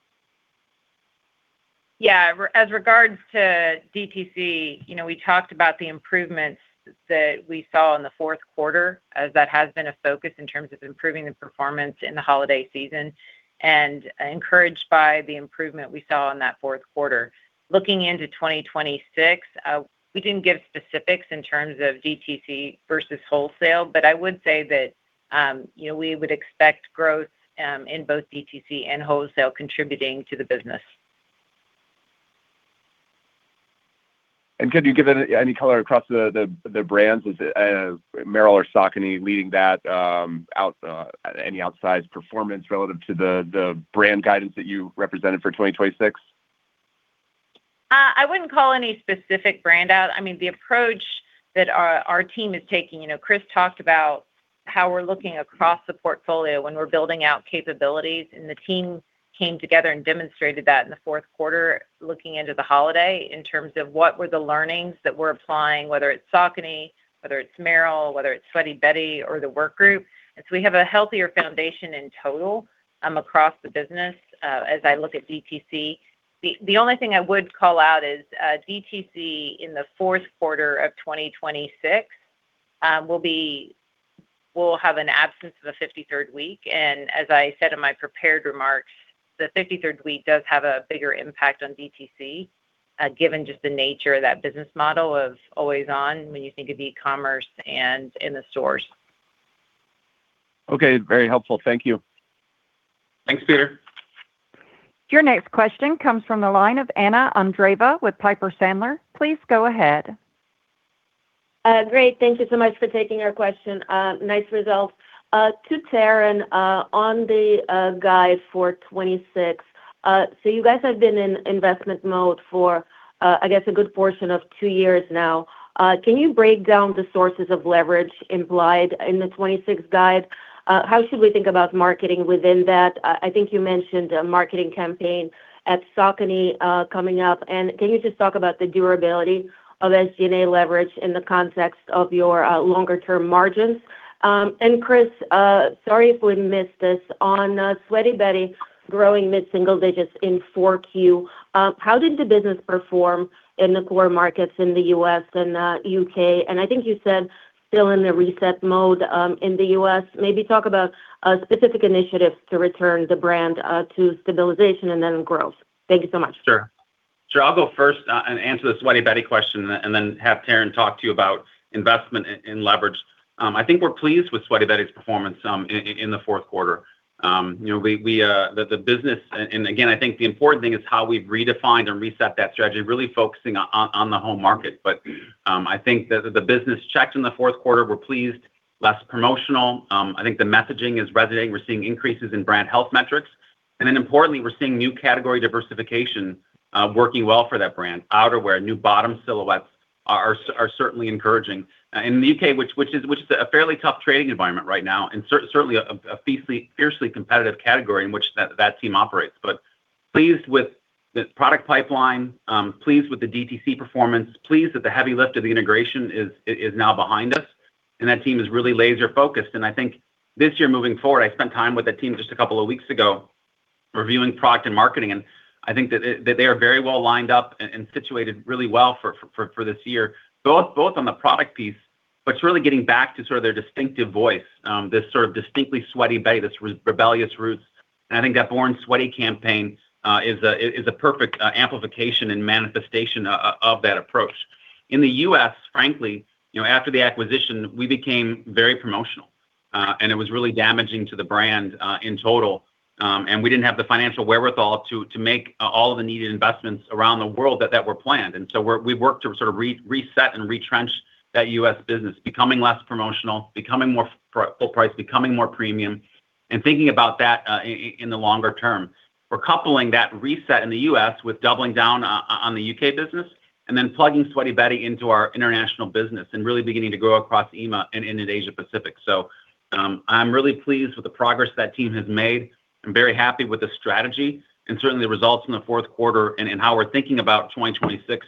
As regards to DTC, you know, we talked about the improvements that we saw in the fourth quarter, as that has been a focus in terms of improving the performance in the holiday season, and encouraged by the improvement we saw in that fourth quarter. Looking into 2026, we didn't give specifics in terms of DTC versus wholesale, but I would say that, you know, we would expect growth, in both DTC and wholesale contributing to the business. Could you give any color across the brands, is it Merrell or Saucony leading that, any outsized performance relative to the brand guidance that you represented for 2026? I wouldn't call any specific brand out. I mean, the approach that our team is taking, you know, Chris talked about how we're looking across the portfolio when we're building out capabilities, and the team came together and demonstrated that in the fourth quarter, looking into the holiday, in terms of what were the learnings that we're applying, whether it's Saucony, whether it's Merrell, whether it's Sweaty Betty, or the Work Group. We have a healthier foundation in total across the business. As I look at DTC, the only thing I would call out is DTC in the fourth quarter of 2026 will have an absence of a 53rd week. As I said in my prepared remarks, the 53rd week does have a bigger impact on DTC, given just the nature of that business model of always on when you think of e-commerce and in the stores. Okay, very helpful. Thank you. Thanks, Peter. Your next question comes from the line of Anna Andreeva with Piper Sandler. Please go ahead. Great. Thank you so much for taking our question. Nice results. To Taryn, on the guide for 2026. You guys have been in investment mode for, I guess a good portion of 2 years now. Can you break down the sources of leverage implied in the 2026 guide? How should we think about marketing within that? I think you mentioned a marketing campaign at Saucony coming up. Can you just talk about the durability of SG&A leverage in the context of your longer term margins? Chris, sorry if we missed this, on Sweaty Betty growing mid-single digits in 4Q, how did the business perform in the core markets in the U.S. and U.K.? I think you said still in the reset mode in the U.S. Maybe talk about specific initiatives to return the brand to stabilization and then growth. Thank you so much. Sure. Sure, I'll go first, and answer the Sweaty Betty question, and then have Taryn talk to you about investment and leverage. I think we're pleased with Sweaty Betty's performance in the fourth quarter. You know, we the business. Again, I think the important thing is how we've redefined and reset that strategy, really focusing on the home market. I think that the business checked in the fourth quarter, we're pleased, less promotional. I think the messaging is resonating. We're seeing increases in brand health metrics, and then importantly, we're seeing new category diversification working well for that brand. Outerwear, new bottom silhouettes are certainly encouraging. In the UK, which is a fairly tough trading environment right now, and certainly a fiercely competitive category in which that team operates. Pleased with the product pipeline, pleased with the DTC performance, pleased that the heavy lift of the integration is now behind us, and that team is really laser-focused. I think this year, moving forward, I spent time with the team just a couple of weeks ago reviewing product and marketing, and I think that they are very well lined up and situated really well for this year, both on the product piece, but it's really getting back to sort of their distinctive voice, this sort of distinctly Sweaty Betty, this rebellious roots. I think that Born Sweaty campaign is a perfect amplification and manifestation of that approach. In the U.S., frankly, you know, after the acquisition, we became very promotional, and it was really damaging to the brand in total, and we didn't have the financial wherewithal to make all of the needed investments around the world that were planned. We're, we've worked to sort of reset and retrench that U.S. business, becoming less promotional, becoming more full price, becoming more premium, and thinking about that in the longer term. We're coupling that reset in the U.S. with doubling down on the U.K. business and then plugging Sweaty Betty into our international business and really beginning to grow across EMEA and in Asia Pacific. I'm really pleased with the progress that team has made. I'm very happy with the strategy and certainly the results in the fourth quarter and how we're thinking about 2026,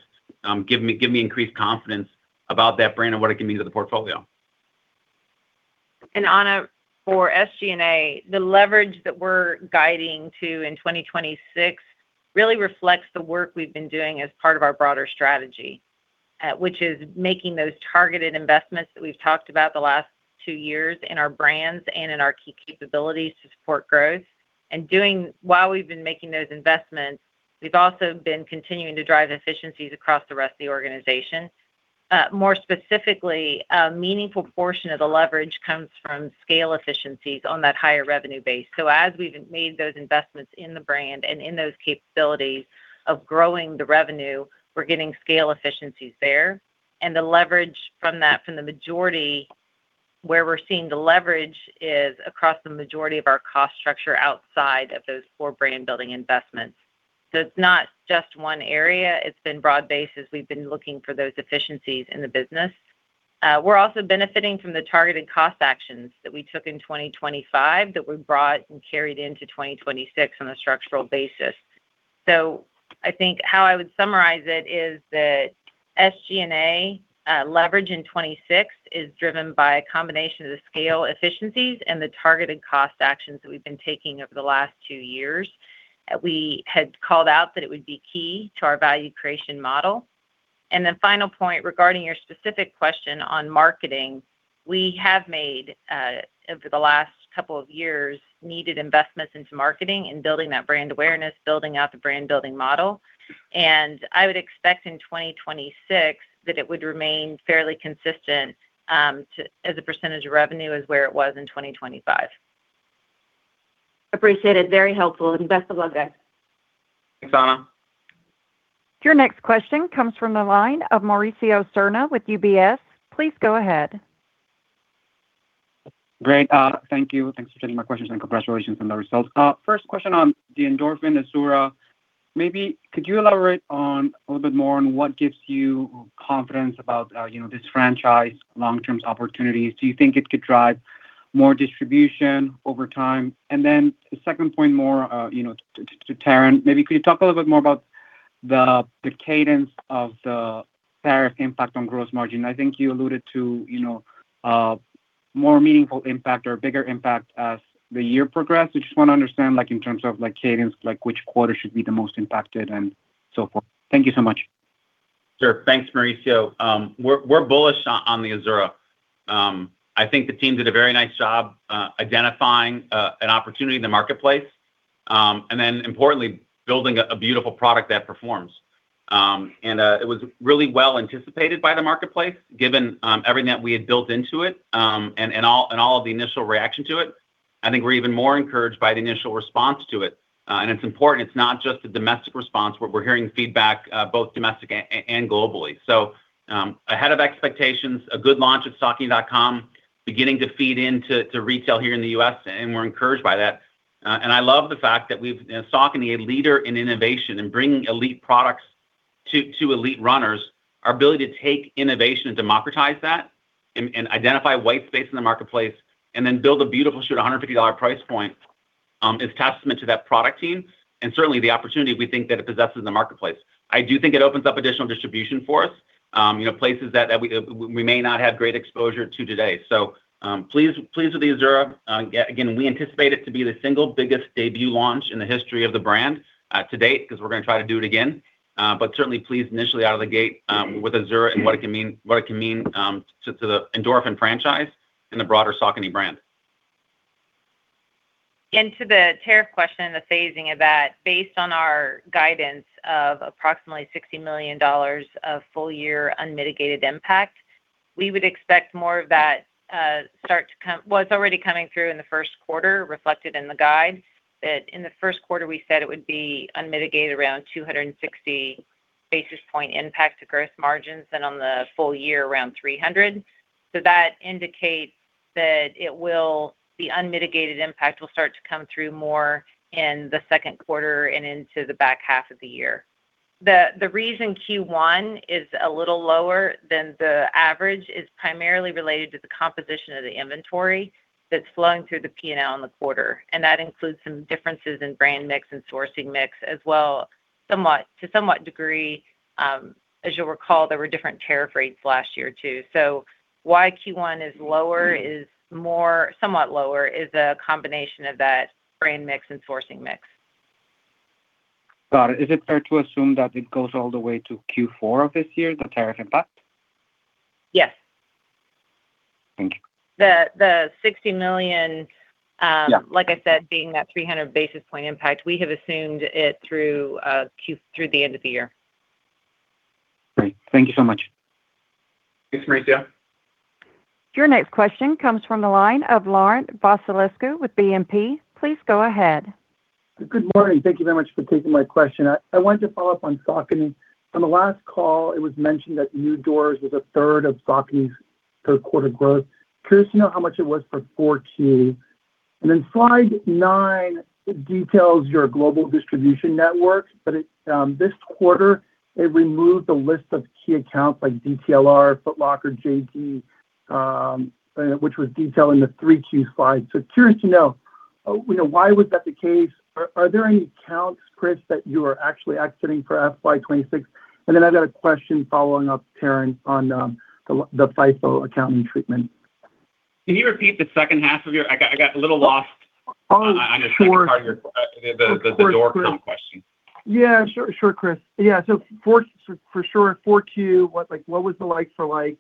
give me increased confidence about that brand and what it can mean to the portfolio. Anna, for SG&A, the leverage that we're guiding to in 2026 really reflects the work we've been doing as part of our broader strategy, which is making those targeted investments that we've talked about the last 2 years in our brands and in our key capabilities to support growth. While we've been making those investments, we've also been continuing to drive efficiencies across the rest of the organization. More specifically, a meaningful portion of the leverage comes from scale efficiencies on that higher revenue base. As we've made those investments in the brand and in those capabilities of growing the revenue, we're getting scale efficiencies there. The leverage from that, from the majority, where we're seeing the leverage is across the majority of our cost structure outside of those 4 brand-building investments. It's not just one area, it's been broad-based as we've been looking for those efficiencies in the business. We're also benefiting from the targeted cost actions that we took in 2025, that we brought and carried into 2026 on a structural basis. I think how I would summarize it is that SG&A leverage in 2026 is driven by a combination of the scale efficiencies and the targeted cost actions that we've been taking over the last two years, that we had called out that it would be key to our value creation model. The final point regarding your specific question on marketing, we have made over the last couple of years, needed investments into marketing and building that brand awareness, building out the brand building model. I would expect in 2026 that it would remain fairly consistent, as a % of revenue, as where it was in 2025. Appreciate it. Very helpful, and best of luck, guys. Thanks, Anna. Your next question comes from the line of Mauricio Serna with UBS. Please go ahead. Great. Thank you. Thanks for taking my questions, and congratulations on the results. First question on the Endorphin Azura. Maybe could you elaborate on, a little bit more on what gives you confidence about, you know, this franchise long-term opportunities? Do you think it could drive more distribution over time? The second point more, you know, to Taryn, maybe could you talk a little bit more about the cadence of the tariff impact on gross margin? I think you alluded to, you know, more meaningful impact or bigger impact as the year progressed. I just want to understand, like, in terms of, like, cadence, like, which quarter should be the most impacted and so forth. Thank you so much. Sure. Thanks, Mauricio. We're bullish on the Azura. I think the team did a very nice job identifying an opportunity in the marketplace, and then importantly, building a beautiful product that performs. It was really well anticipated by the marketplace, given everything that we had built into it, and all of the initial reaction to it. I think we're even more encouraged by the initial response to it. It's important, it's not just a domestic response, but we're hearing feedback both domestically and globally. Ahead of expectations, a good launch at saucony.com, beginning to feed into retail here in the U.S., and we're encouraged by that. I love the fact that we've, as Saucony, a leader in innovation and bringing elite products to elite runners, our ability to take innovation and democratize that, and identify white space in the marketplace, and then build a beautiful shoe at a $150 price point, is a testament to that product team, and certainly the opportunity we think that it possesses in the marketplace. I do think it opens up additional distribution for us, you know, places that we may not have great exposure to today. Pleased with the Azura. Again, we anticipate it to be the single biggest debut launch in the history of the brand, to date, because we're going to try to do it again. Certainly pleased initially out of the gate, with Azura and what it can mean to the Endorphin franchise and the broader Saucony brand. To the tariff question and the phasing of that, based on our guidance of approximately $60 million of full-year unmitigated impact, we would expect more of that already coming through in the first quarter, reflected in the guide, that in the first quarter, we said it would be unmitigated around 260 basis point impact to gross margins, and on the full year, around 300. That indicates that the unmitigated impact will start to come through more in the second quarter and into the back half of the year. The reason Q1 is a little lower than the average is primarily related to the composition of the inventory that's flowing through the P&L in the quarter, and that includes some differences in brand mix and sourcing mix as well. Somewhat, to somewhat degree, as you'll recall, there were different tariff rates last year, too. Why Q1 is lower is more, somewhat lower, is a combination of that brand mix and sourcing mix. Got it. Is it fair to assume that it goes all the way to Q4 of this year, the tariff impact? Yes. Thank you. The $60 million. Yeah. Like I said, being that 300 basis point impact, we have assumed it through the end of the year. Great. Thank you so much. Thanks, Mauricio. Your next question comes from the line of Laurent Vasilescu with BNP. Please go ahead. Good morning. Thank you very much for taking my question. I wanted to follow up on Saucony. On the last call, it was mentioned that new doors was a third of Saucony's third quarter growth. Curious to know how much it was for 4Q. Then slide 9, it details your global distribution network, but it, this quarter, it removed a list of key accounts like DTLR, Foot Locker, JD, which was detailed in the 3 key slides. Curious to know, you know, why was that the case? Are there any accounts, Chris, that you are actually exiting for FY 2026? Then I've got a question following up, Taryn, on the FIFO accounting treatment. Can you repeat the second half of I got a little lost on the first part of your, the door count question? Sure, sure, Chris. For sure, 4Q, what, like, what was the like for like?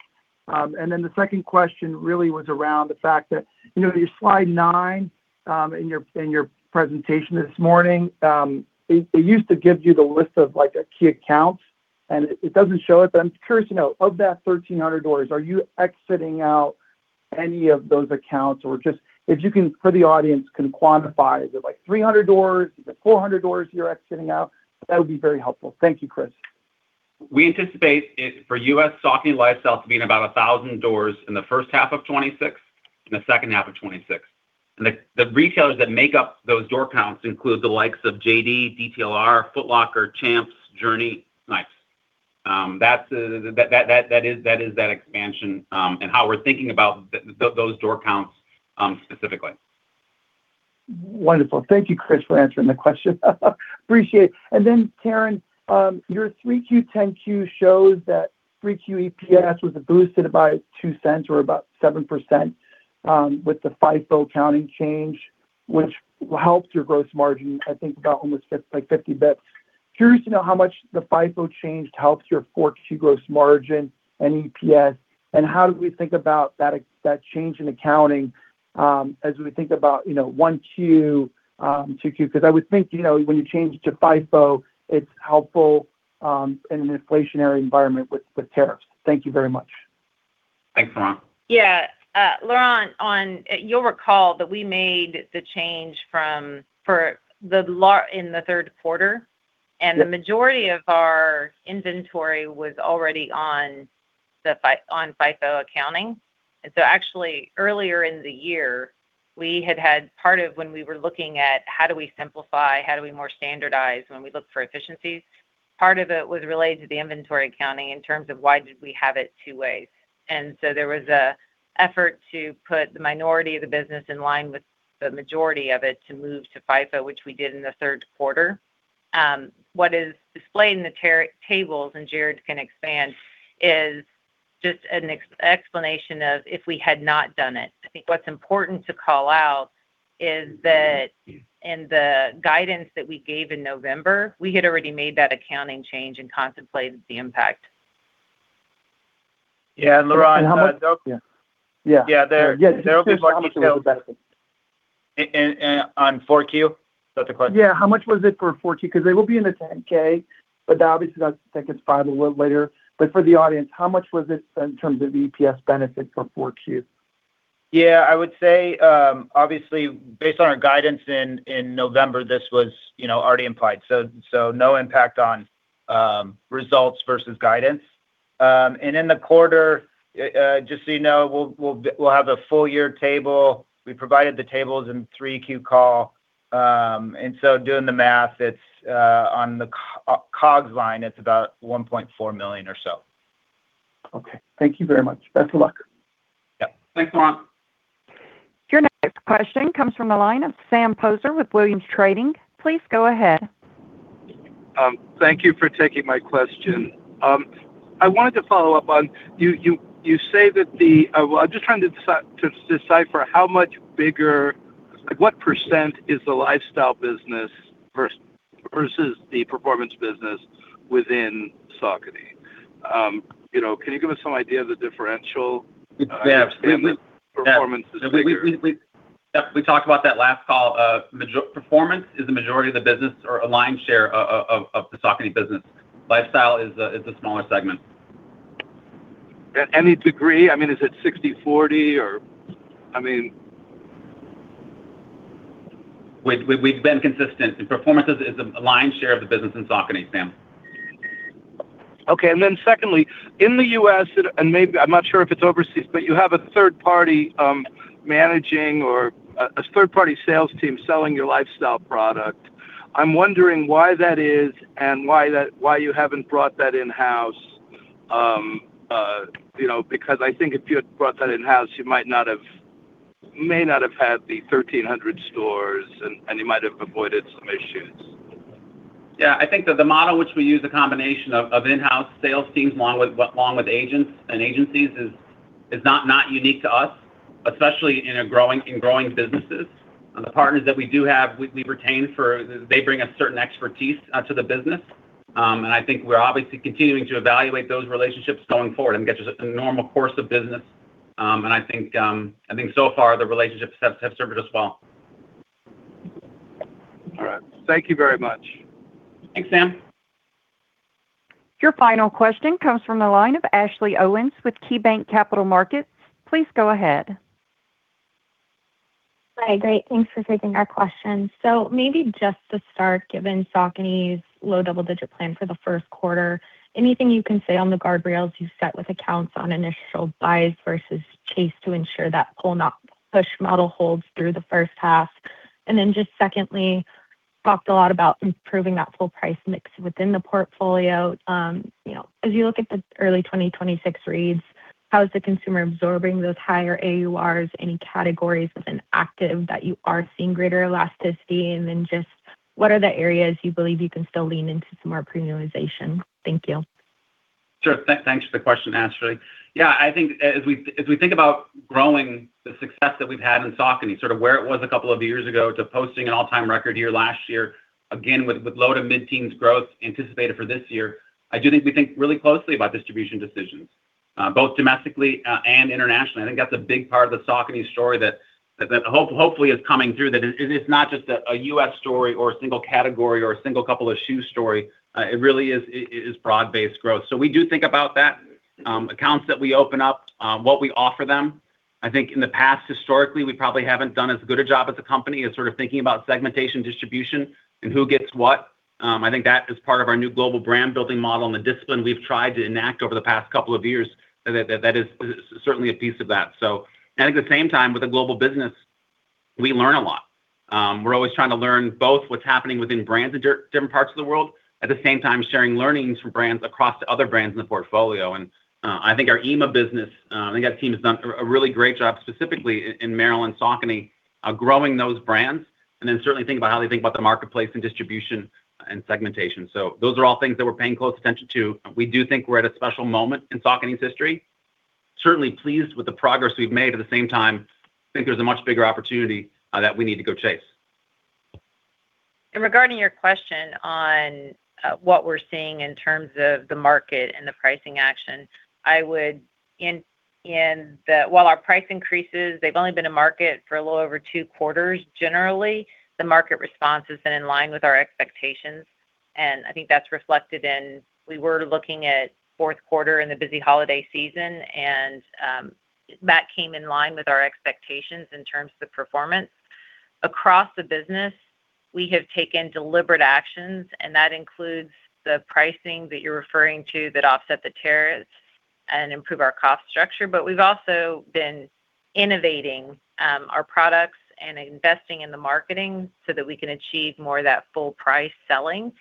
The second question really was around the fact that, you know, your slide nine, in your presentation this morning, it used to give you the list of, like, a key account, and it doesn't show it. I'm curious to know, of that 1,300 doors, are you exiting out any of those accounts? Just if you can, for the audience, can quantify, is it, like, 300 doors, is it 400 doors you're exiting out? That would be very helpful. Thank you, Chris. We anticipate for U.S. Saucony Lifestyle to be in about 1,000 doors in the first half of 2026 and the second half of 2026. The retailers that make up those door counts include the likes of JD, DTLR, Foot Locker, Champs, Journeys, Nice. That is that expansion, and how we're thinking about those door counts, specifically. Wonderful. Thank you, Chris, for answering the question. Appreciate it. Then, Taryn, your 3Q 10-Q shows that 3Q EPS was boosted by $0.02 or about 7%, with the FIFO accounting change, which helped your gross margin, I think about almost 50 bits. Curious to know how much the FIFO change helps your 4Q gross margin and EPS, and how do we think about that change in accounting, as we think about, you know, 1Q, 2Q? Because I would think, you know, when you change to FIFO, it's helpful in an inflationary environment with tariffs. Thank you very much. Thanks, Laurent. Yeah, Laurent. You'll recall that we made the change in the third quarter. Yep. The majority of our inventory was already on FIFO accounting. Actually, earlier in the year, we had had part of when we were looking at how do we simplify, how do we more standardize when we look for efficiencies, part of it was related to the inventory accounting in terms of why did we have it two ways. There was an effort to put the minority of the business in line with the majority of it to move to FIFO, which we did in the third quarter. What is displayed in the tables, and Jared can expand, is just an explanation of if we had not done it. I think what's important to call out is that in the guidance that we gave in November, we had already made that accounting change and contemplated the impact. Yeah, Laurent. How much? Yeah. Yeah. Yeah, Yes There will be. How much was the benefit? On four Q? Is that the question? Yeah, how much was it for Q4? It will be in the 10-K, obviously, that's, I think it's 5 a little later. For the audience, how much was it in terms of EPS benefit for Q4? Yeah, I would say, obviously, based on our guidance in November, this was, you know, already implied, so no impact on results versus guidance. In the quarter, just so you know, we'll have a full year table. We provided the tables in 3Q call. Doing the math, it's on the COGS line, it's about $1.4 million or so. Okay. Thank you very much. Best of luck. Yep. Thanks, Lauren. Your next question comes from the line of Sam Poser with Williams Trading. Please go ahead. Thank you for taking my question. I wanted to follow up on. You say that, well, I'm just trying to decipher how much bigger, like, what % is the lifestyle business versus the performance business within Saucony? You know, can you give us some idea of the differential? Yeah. Performance is bigger. We talked about that last call. Performance is the majority of the business or a lion's share of the Saucony business. Lifestyle is a smaller segment. At any degree? I mean, is it 60, 40, or, I mean. We've been consistent. The performance is the lion share of the business in Saucony, Sam. Secondly, in the US, maybe I'm not sure if it's overseas, you have a third party, managing or a third-party sales team selling your lifestyle product. I'm wondering why that is and why you haven't brought that in-house. You know, because I think if you had brought that in-house, you might not have had the 1,300 stores, and you might have avoided some issues. I think that the model which we use, a combination of in-house sales teams, along with agents and agencies, is not unique to us, especially in growing businesses. The partners that we do have, we retained for, they bring a certain expertise to the business. I think we're obviously continuing to evaluate those relationships going forward and get to a normal course of business. I think so far, the relationships have served us well. All right. Thank you very much. Thanks, Sam. Your final question comes from the line of Ashley Owens with KeyBanc Capital Markets. Please go ahead. Hi. Great. Thanks for taking our question. Maybe just to start, given Saucony's low double-digit plan for the first quarter, anything you can say on the guardrails you've set with accounts on initial buys versus chase to ensure that pull, not push model holds through the first half? Secondly, talked a lot about improving that full price mix within the portfolio. you know, as you look at the early 2026 reads, how is the consumer absorbing those higher AURs? Any categories within active that you are seeing greater elasticity? What are the areas you believe you can still lean into some more premiumization? Thank you. Sure. Thanks for the question, Ashley. I think, as we think about growing the success that we've had in Saucony, sort of where it was 2 years ago, to posting an all-time record year last year, again, with low to mid-teens growth anticipated for this year, I do think we think really closely about distribution decisions. both domestically and internationally. I think that's a big part of the Saucony story that hopefully is coming through, that it is not just a U.S. story or a single category or a single couple of shoe story. It really is broad-based growth. We do think about that. Accounts that we open up, what we offer them. I think in the past, historically, we probably haven't done as good a job as a company as sort of thinking about segmentation, distribution, and who gets what. I think that is part of our new global brand building model and the discipline we've tried to enact over the past couple of years, and that is certainly a piece of that. At the same time, with a global business, we learn a lot. We're always trying to learn both what's happening within brands in different parts of the world, at the same time, sharing learnings from brands across the other brands in the portfolio. I think our EMEA business, I think that team has done a really great job, specifically in Merrell, Saucony, growing those brands, and then certainly think about how they think about the marketplace and distribution and segmentation. Those are all things that we're paying close attention to. We do think we're at a special moment in Saucony's history. Certainly pleased with the progress we've made. At the same time, I think there's a much bigger opportunity that we need to go chase. Regarding your question on what we're seeing in terms of the market and the pricing action. While our price increases, they've only been in market for a little over 2 quarters, generally, the market response has been in line with our expectations, and I think that's reflected in we were looking at fourth quarter in the busy holiday season, and that came in line with our expectations in terms of the performance. Across the business, we have taken deliberate actions, and that includes the pricing that you're referring to that offset the tariffs and improve our cost structure. We've also been innovating our products and investing in the marketing so that we can achieve more of that full price selling.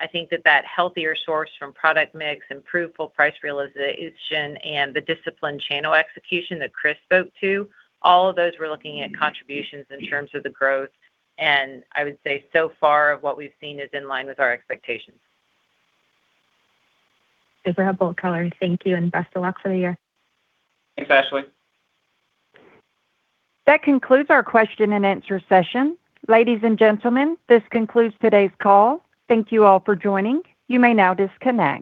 I think that that healthier source from product mix, improved full price realization, and the disciplined channel execution that Chris spoke to, all of those, we're looking at contributions in terms of the growth. I would say so far, what we've seen is in line with our expectations. Super helpful color. Thank you, and best of luck for the year. Thanks, Ashley. That concludes our question and answer session. Ladies and gentlemen, this concludes today's call. Thank you all for joining. You may now disconnect.